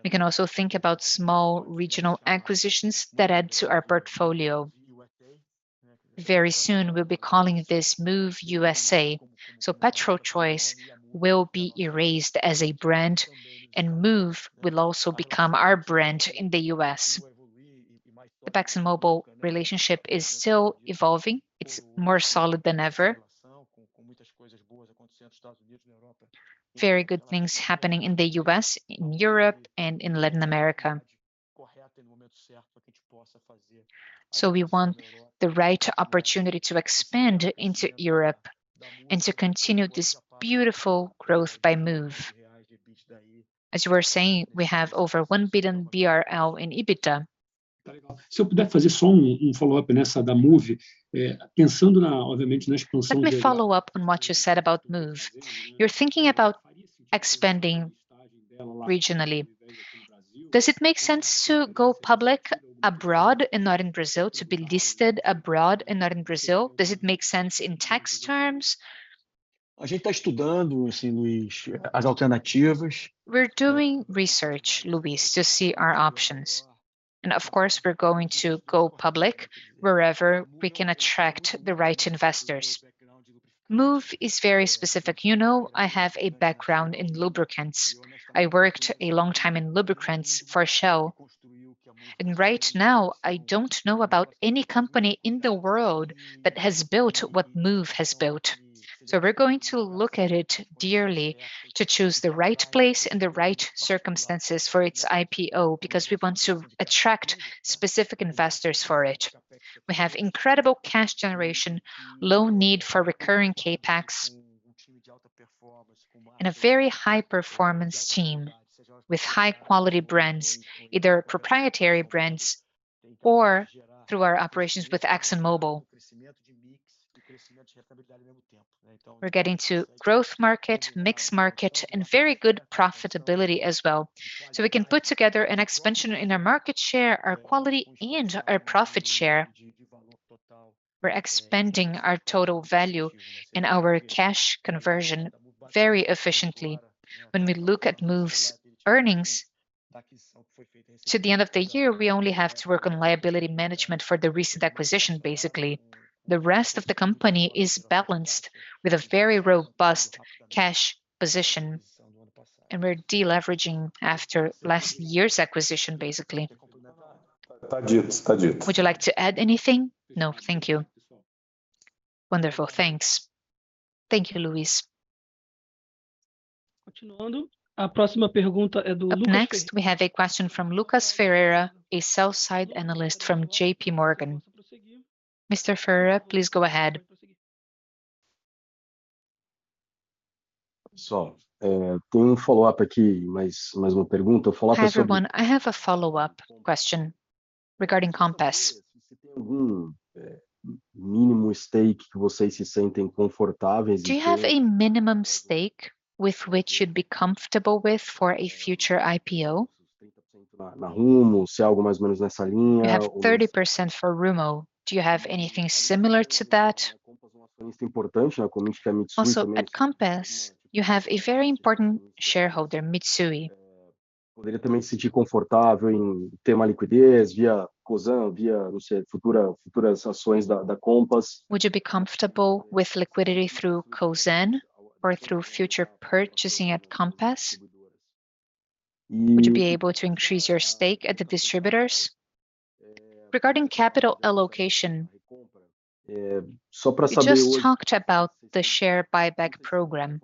We can also think about small regional acquisitions that add to our portfolio. Very soon, we'll be calling this Moove USA, so PetroChoice will be erased as a brand, and Moove will also become our brand in the U.S. The ExxonMobil relationship is still evolving. It's more solid than ever. Very good things happening in the U.S., in Europe, and in Latin America. We want the right opportunity to expand into Europe and to continue this beautiful growth by Moove. As you were saying, we have over 1 billion BRL in EBITDA. If I could do just a follow-up on this, the Moove, thinking obviously about the expansion- Let me follow up on what you said about Moove. You're thinking about expanding regionally. Does it make sense to go public abroad and not in Brazil, to be listed abroad and not in Brazil? Does it make sense in tax terms? We're doing research, Luis, to see our options. Of course, we're going to go public wherever we can attract the right investors. Moove is very specific. You know, I have a background in lubricants. I worked a long time in lubricants for Shell, and right now, I don't know about any company in the world that has built what Moove has built. We're going to look at it dearly to choose the right place and the right circumstances for its IPO because we want to attract specific investors for it. We have incredible cash generation, low need for recurring CapEx, and a very high-performance team with high-quality brands, either proprietary brands or through our operations with ExxonMobil. We're getting to growth market, mixed market, and very good profitability as well. We can put together an expansion in our market share, our quality, and our profit share. We're expanding our total value and our cash conversion very efficiently. When we look at Moove's earnings, to the end of the year, we only have to work on liability management for the recent acquisition, basically. The rest of the company is balanced with a very robust cash position. We're de-leveraging after last year's acquisition, basically. Would you like to add anything? No, thank you. Wonderful. Thanks. Thank you, Luis. Up next, we have a question from Lucas Ferreira, a sell-side analyst from JP Morgan. Mr. Ferreira, please go ahead. One follow-up here, one more question. Hi, everyone. I have a follow-up question regarding Compass. Minimum stake that you feel comfortable with? Do you have a minimum stake with which you'd be comfortable with for a future IPO? In Rumo, something more or less in that line. You have 30% for Rumo. Do you have anything similar to that? At Compass, you have a very important shareholder, Mitsui. Would you feel comfortable in having liquidity via Cosan, via, I don't know, future, future Compass shares? Would you be comfortable with liquidity through Cosan or through future purchasing at Compass? Would you be able to increase your stake at the distributors? Regarding capital allocation- So far-... we just talked about the share buyback program.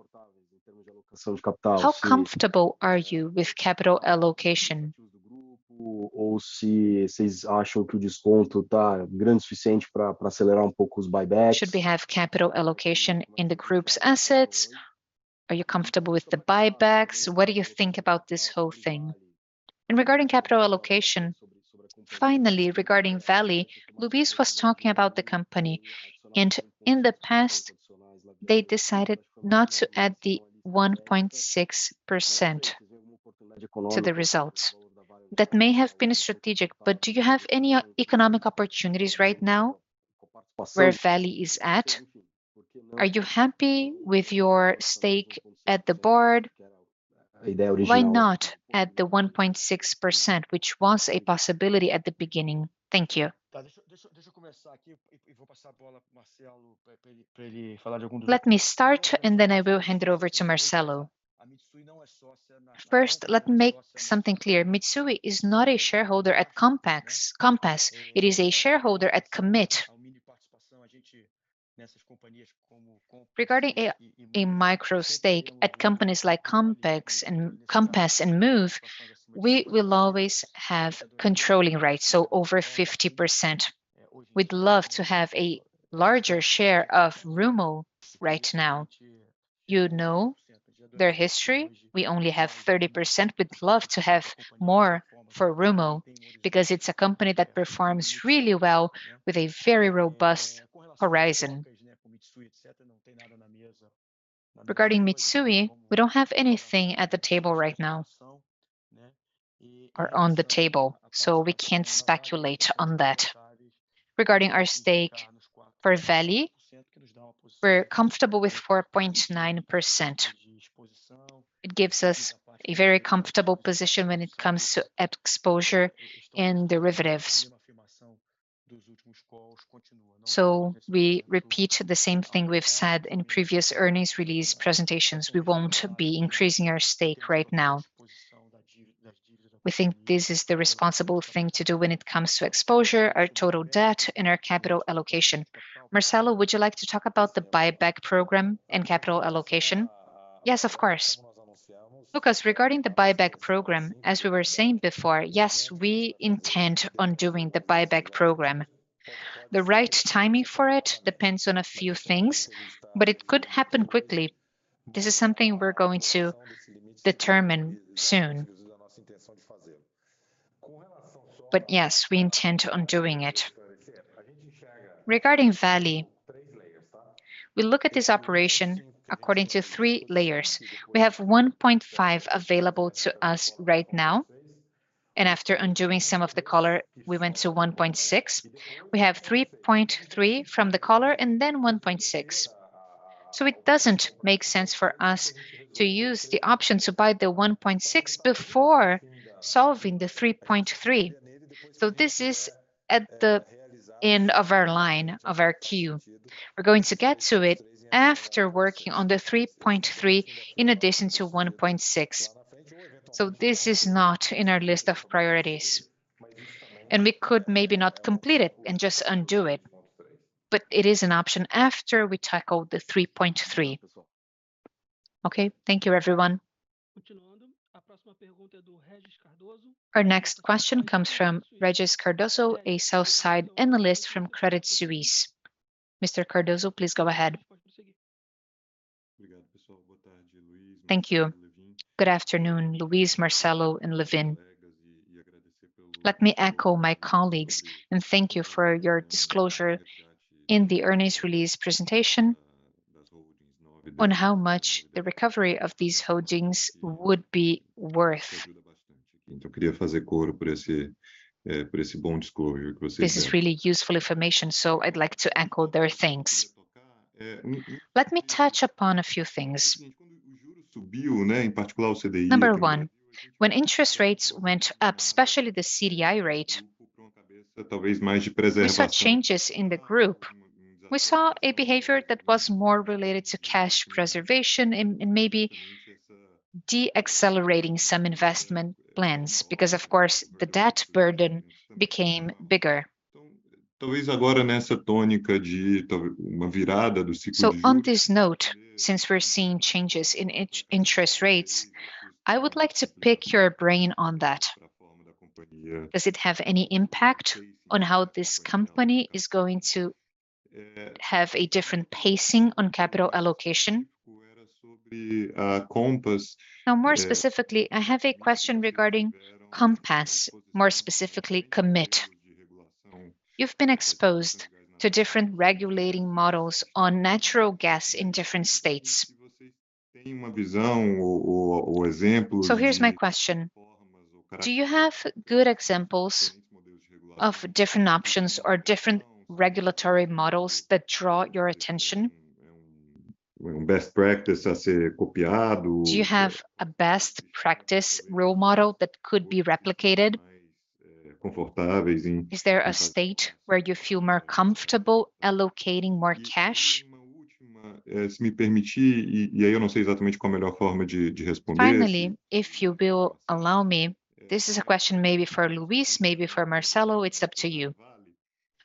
How comfortable are you with capital allocation? If you think the discount is big enough to accelerate the buybacks. Should we have capital allocation in the group's assets? Are you comfortable with the buybacks? What do you think about this whole thing? Regarding capital allocation, finally, regarding Vale, Luis was talking about the company, and in the past, they decided not to add the 1.6% to the results. That may have been strategic, but do you have any economic opportunities right now where Vale is at? Are you happy with your stake at the board? Why not add the 1.6%, which was a possibility at the beginning? Thank you. Let me start, and then I will hand it over to Marcelo. First, let me make something clear. Mitsui is not a shareholder at Compass, Compass. It is a shareholder at Commit. Regarding a micro stake at companies like Compass and Moove, we will always have controlling rights, so over 50%. We'd love to have a larger share of Rumo right now. You know their history. We only have 30%. We'd love to have more for Rumo, because it's a company that performs really well with a very robust horizon. Regarding Mitsui, we don't have anything at the table right now or on the table, we can't speculate on that. Regarding our stake for Vale, we're comfortable with 4.9%. It gives us a very comfortable position when it comes to exposure and derivatives. We repeat the same thing we've said in previous earnings release presentations, we won't be increasing our stake right now. We think this is the responsible thing to do when it comes to exposure, our total debt, and our capital allocation. Marcelo, would you like to talk about the buyback program and capital allocation? Yes, of course. Lucas, regarding the buyback program, as we were saying before, yes, we intend on doing the buyback program. The right timing for it depends on a few things, but it could happen quickly. This is something we're going to determine soon. But yes, we intend on doing it. Regarding Vale, we look at this operation according to three layers. We have $1.5 available to us right now, and after undoing some of the collar, we went to $1.6. We have $3.3 from the collar, and then $1.6. It doesn't make sense for us to use the option to buy the 1.6 before solving the 3.3. This is at the end of our line, of our queue. We're going to get to it after working on the 3.3, in addition to 1.6. This is not in our list of priorities, and we could maybe not complete it and just undo it, but it is an option after we tackle the 3.3. Okay. Thank you, everyone. Our next question comes from Regis Cardoso, a sell-side analyst from Credit Suisse. Mr. Cardoso, please go ahead. Thank you. Good afternoon, Luis, Marcelo, and Lewin. Let me echo my colleagues and thank you for your disclosure in the earnings release presentation on how much the recovery of these holdings would be worth. This is really useful information, I'd like to echo their thanks. Let me touch upon a few things. Number one, when interest rates went up, especially the CDI rate, we saw changes in the group. We saw a behavior that was more related to cash preservation and maybe de-accelerating some investment plans, because, of course, the debt burden became bigger. On this note, since we're seeing changes in interest rates, I would like to pick your brain on that. Does it have any impact on how this company is going to have a different pacing on capital allocation? Now, more specifically, I have a question regarding Compass, more specifically, Commit. You've been exposed to different regulating models on natural gas in different states. Here's my question: Do you have good examples of different options or different regulatory models that draw your attention? Do you have a best practice role model that could be replicated? Is there a state where you feel more comfortable allocating more cash? Finally, if you will allow me, this is a question maybe for Luis, maybe for Marcelo, it's up to you.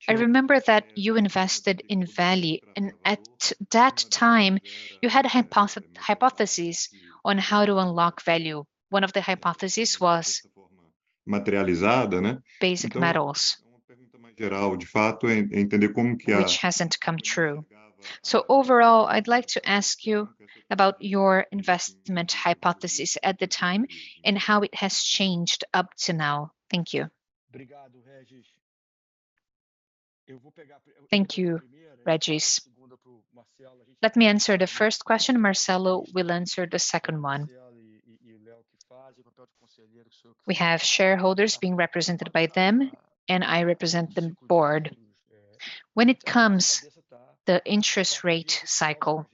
I remember that you invested in Vale, and at that time, you had a hypothesis on how to unlock value. One of the hypothesis was base metals, which hasn't come true. Overall, I'd like to ask you about your investment hypothesis at the time and how it has changed up to now. Thank you. Thank you, Regis. Let me answer the first question. Marcelo will answer the second one. We have shareholders being represented by them, I represent the board. When it comes the interest rate cycle,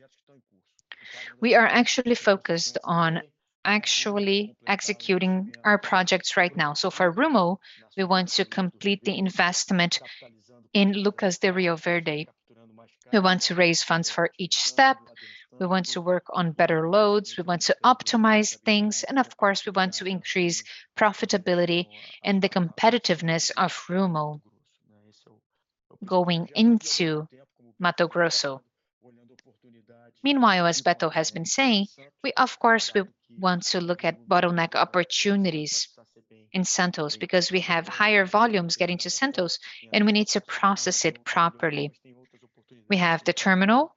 we are actually focused on actually executing our projects right now. For Rumo, we want to complete the investment in Lucas do Rio Verde. We want to raise funds for each step, we want to work on better loads, we want to optimize things, and of course, we want to increase profitability and the competitiveness of Rumo going into Mato Grosso. Meanwhile, as Beto has been saying, we of course, will want to look at bottleneck opportunities in Santos, because we have higher volumes getting to Santos, and we need to process it properly. We have the terminal,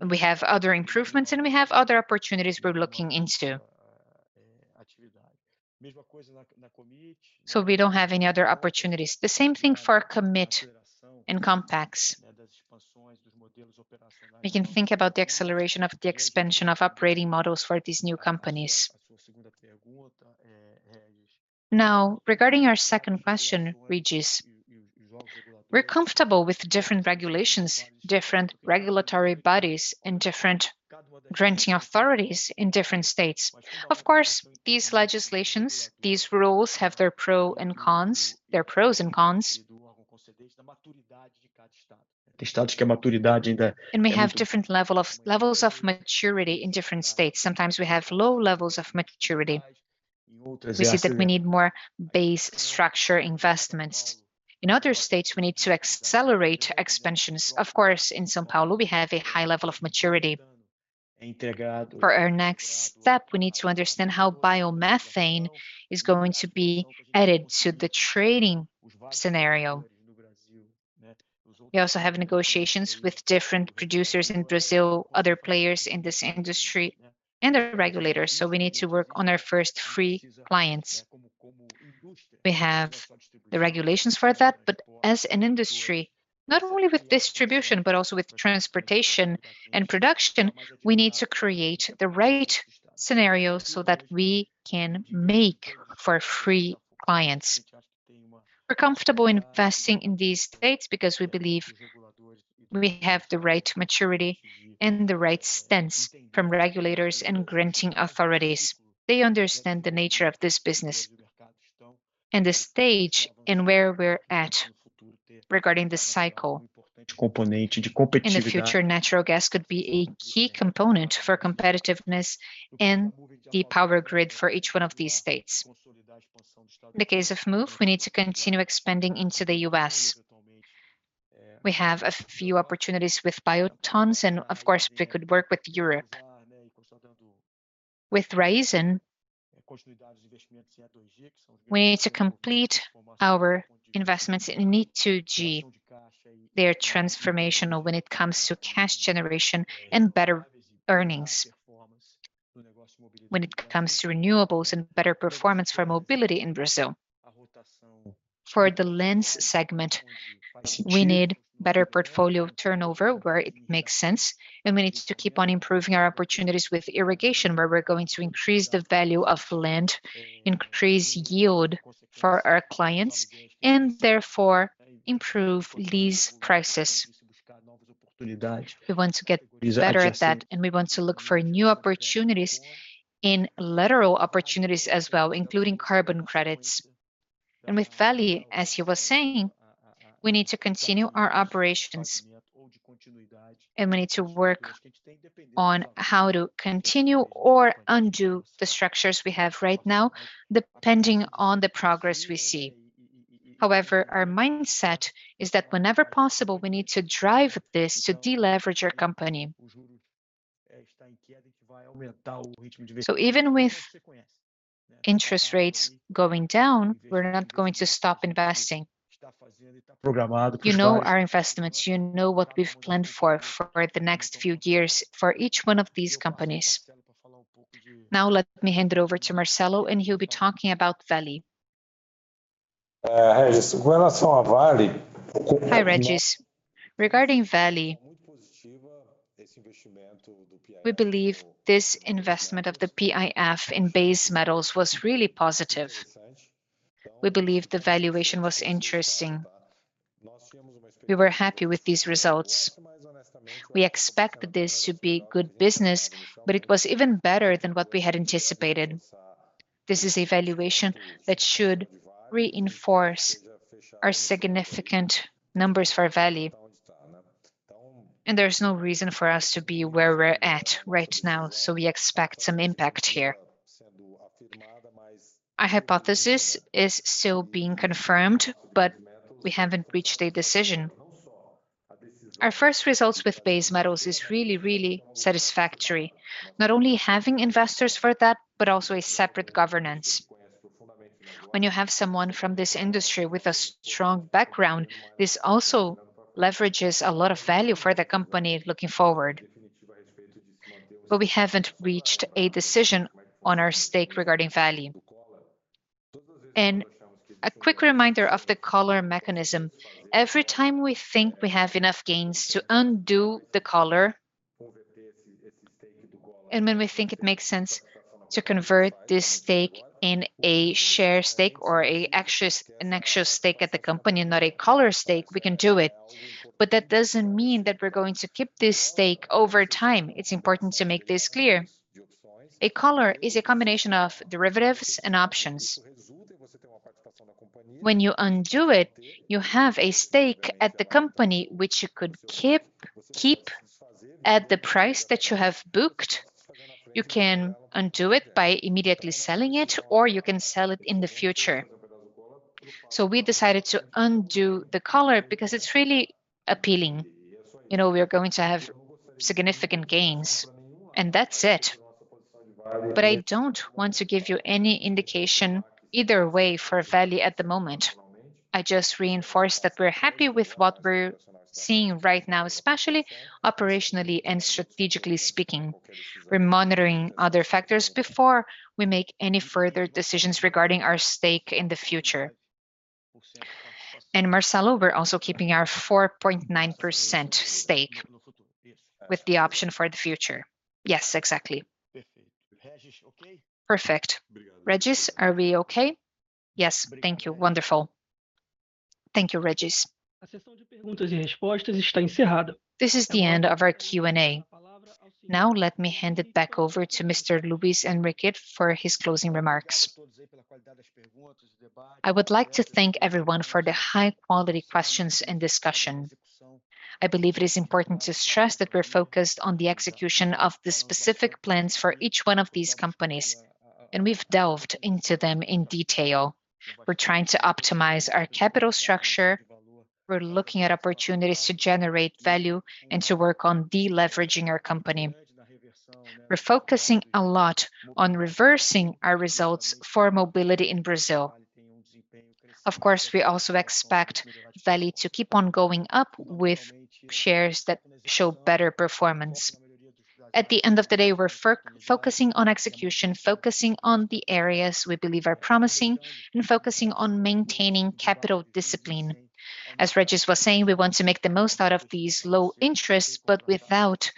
and we have other improvements, and we have other opportunities we're looking into. We don't have any other opportunities. The same thing for Commit and Compass. We can think about the acceleration of the expansion of operating models for these new companies. Now, regarding our second question, Regis, we're comfortable with different regulations, different regulatory bodies, and different granting authorities in different states. Of course, these legislations, these rules have their pro and cons, their pros and cons. We have different level of, levels of maturity in different states. Sometimes we have low levels of maturity. We see that we need more base structure investments. In other states, we need to accelerate expansions. Of course, in São Paulo, we have a high level of maturity. For our next step, we need to understand how biomethane is going to be added to the trading scenario. We also have negotiations with different producers in Brazil, other players in this industry, and their regulators, so we need to work on our first three clients. We have the regulations for that. As an industry, not only with distribution, but also with transportation and production, we need to create the right scenario so that we can make for free clients. We're comfortable investing in these states because we believe we have the right maturity and the right stance from regulators and granting authorities. They understand the nature of this business and the stage and where we're at regarding this cycle. In the future, natural gas could be a key component for competitiveness in the power grid for each one of these states. In the case of Moove, we need to continue expanding into the U.S. We have a few opportunities with Biotons. Of course, we could work with Europe. With Raizen, we need to complete our investments in E2G. They are transformational when it comes to cash generation and better earnings when it comes to renewables and better performance for mobility in Brazil. For the land segment, we need better portfolio turnover where it makes sense, and we need to keep on improving our opportunities with irrigation, where we're going to increase the value of land, increase yield for our clients, and therefore improve these prices. We want to get better at that, and we want to look for new opportunities in lateral opportunities as well, including carbon credits. With Vale, as you were saying, we need to continue our operations, and we need to work on how to continue or undo the structures we have right now, depending on the progress we see. However, our mindset is that whenever possible, we need to drive this to deleverage our company. Even with interest rates going down, we're not going to stop investing. You know our investments, you know what we've planned for the next few years for each one of these companies. Let me hand it over to Marcelo, and he'll be talking about Vale. Hi, Regis. Regarding Vale, we believe this investment of the PIF in base metals was really positive. We believe the valuation was interesting. We were happy with these results. We expected this to be good business, but it was even better than what we had anticipated. This is a valuation that should reinforce our significant numbers for Vale, and there's no reason for us to be where we're at right now, so we expect some impact here. Our hypothesis is still being confirmed, but we haven't reached a decision. Our first results with base metals is really, really satisfactory, not only having investors for that, but also a separate governance. When you have someone from this industry with a strong background, this also leverages a lot of value for the company looking forward. We haven't reached a decision on our stake regarding Vale. A quick reminder of the collar mechanism. Every time we think we have enough gains to undo the collar, and when we think it makes sense to convert this stake in a share stake or an extra stake at the company and not a collar stake, we can do it. That doesn't mean that we're going to keep this stake over time. It's important to make this clear. A collar is a combination of derivatives and options. When you undo it, you have a stake at the company, which you could keep, keep at the price that you have booked. You can undo it by immediately selling it, or you can sell it in the future. We decided to undo the collar because it's really appealing. You know, we are going to have significant gains, and that's it. I don't want to give you any indication either way for Vale at the moment. I just reinforce that we're happy with what we're seeing right now, especially operationally and strategically speaking. We're monitoring other factors before we make any further decisions regarding our stake in the future. Marcelo, we're also keeping our 4.9% stake with the option for the future. Yes, exactly. Perfect. Regis, are we okay? Yes, thank you. Wonderful. Thank you, Regis. This is the end of our Q&A. Let me hand it back over to Mr. Luis Henrique for his closing remarks. I would like to thank everyone for the high-quality questions and discussion. I believe it is important to stress that we're focused on the execution of the specific plans for each one of these companies, and we've delved into them in detail. We're trying to optimize our capital structure. We're looking at opportunities to generate value and to work on deleveraging our company. We're focusing a lot on reversing our results for mobility in Brazil. We also expect Vale to keep on going up with shares that show better performance. At the end of the day, we're focusing on execution, focusing on the areas we believe are promising, and focusing on maintaining capital discipline. As Regis was saying, we want to make the most out of these low interests, without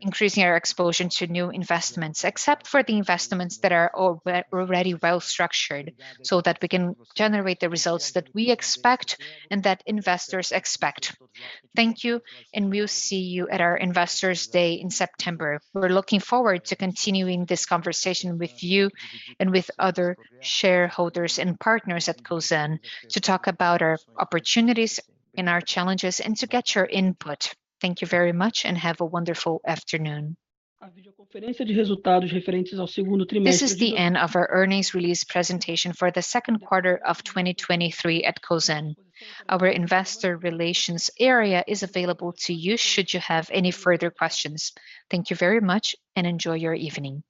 increasing our exposure to new investments, except for the investments that are already well structured, so that we can generate the results that we expect and that investors expect. Thank you, we'll see you at our Investors Day in September. We're looking forward to continuing this conversation with you and with other shareholders and partners at Cosan to talk about our opportunities and our challenges, to get your input. Thank you very much, have a wonderful afternoon. This is the end of our earnings release presentation for the second quarter of 2023 at Cosan. Our investor relations area is available to you should you have any further questions. Thank you very much, enjoy your evening.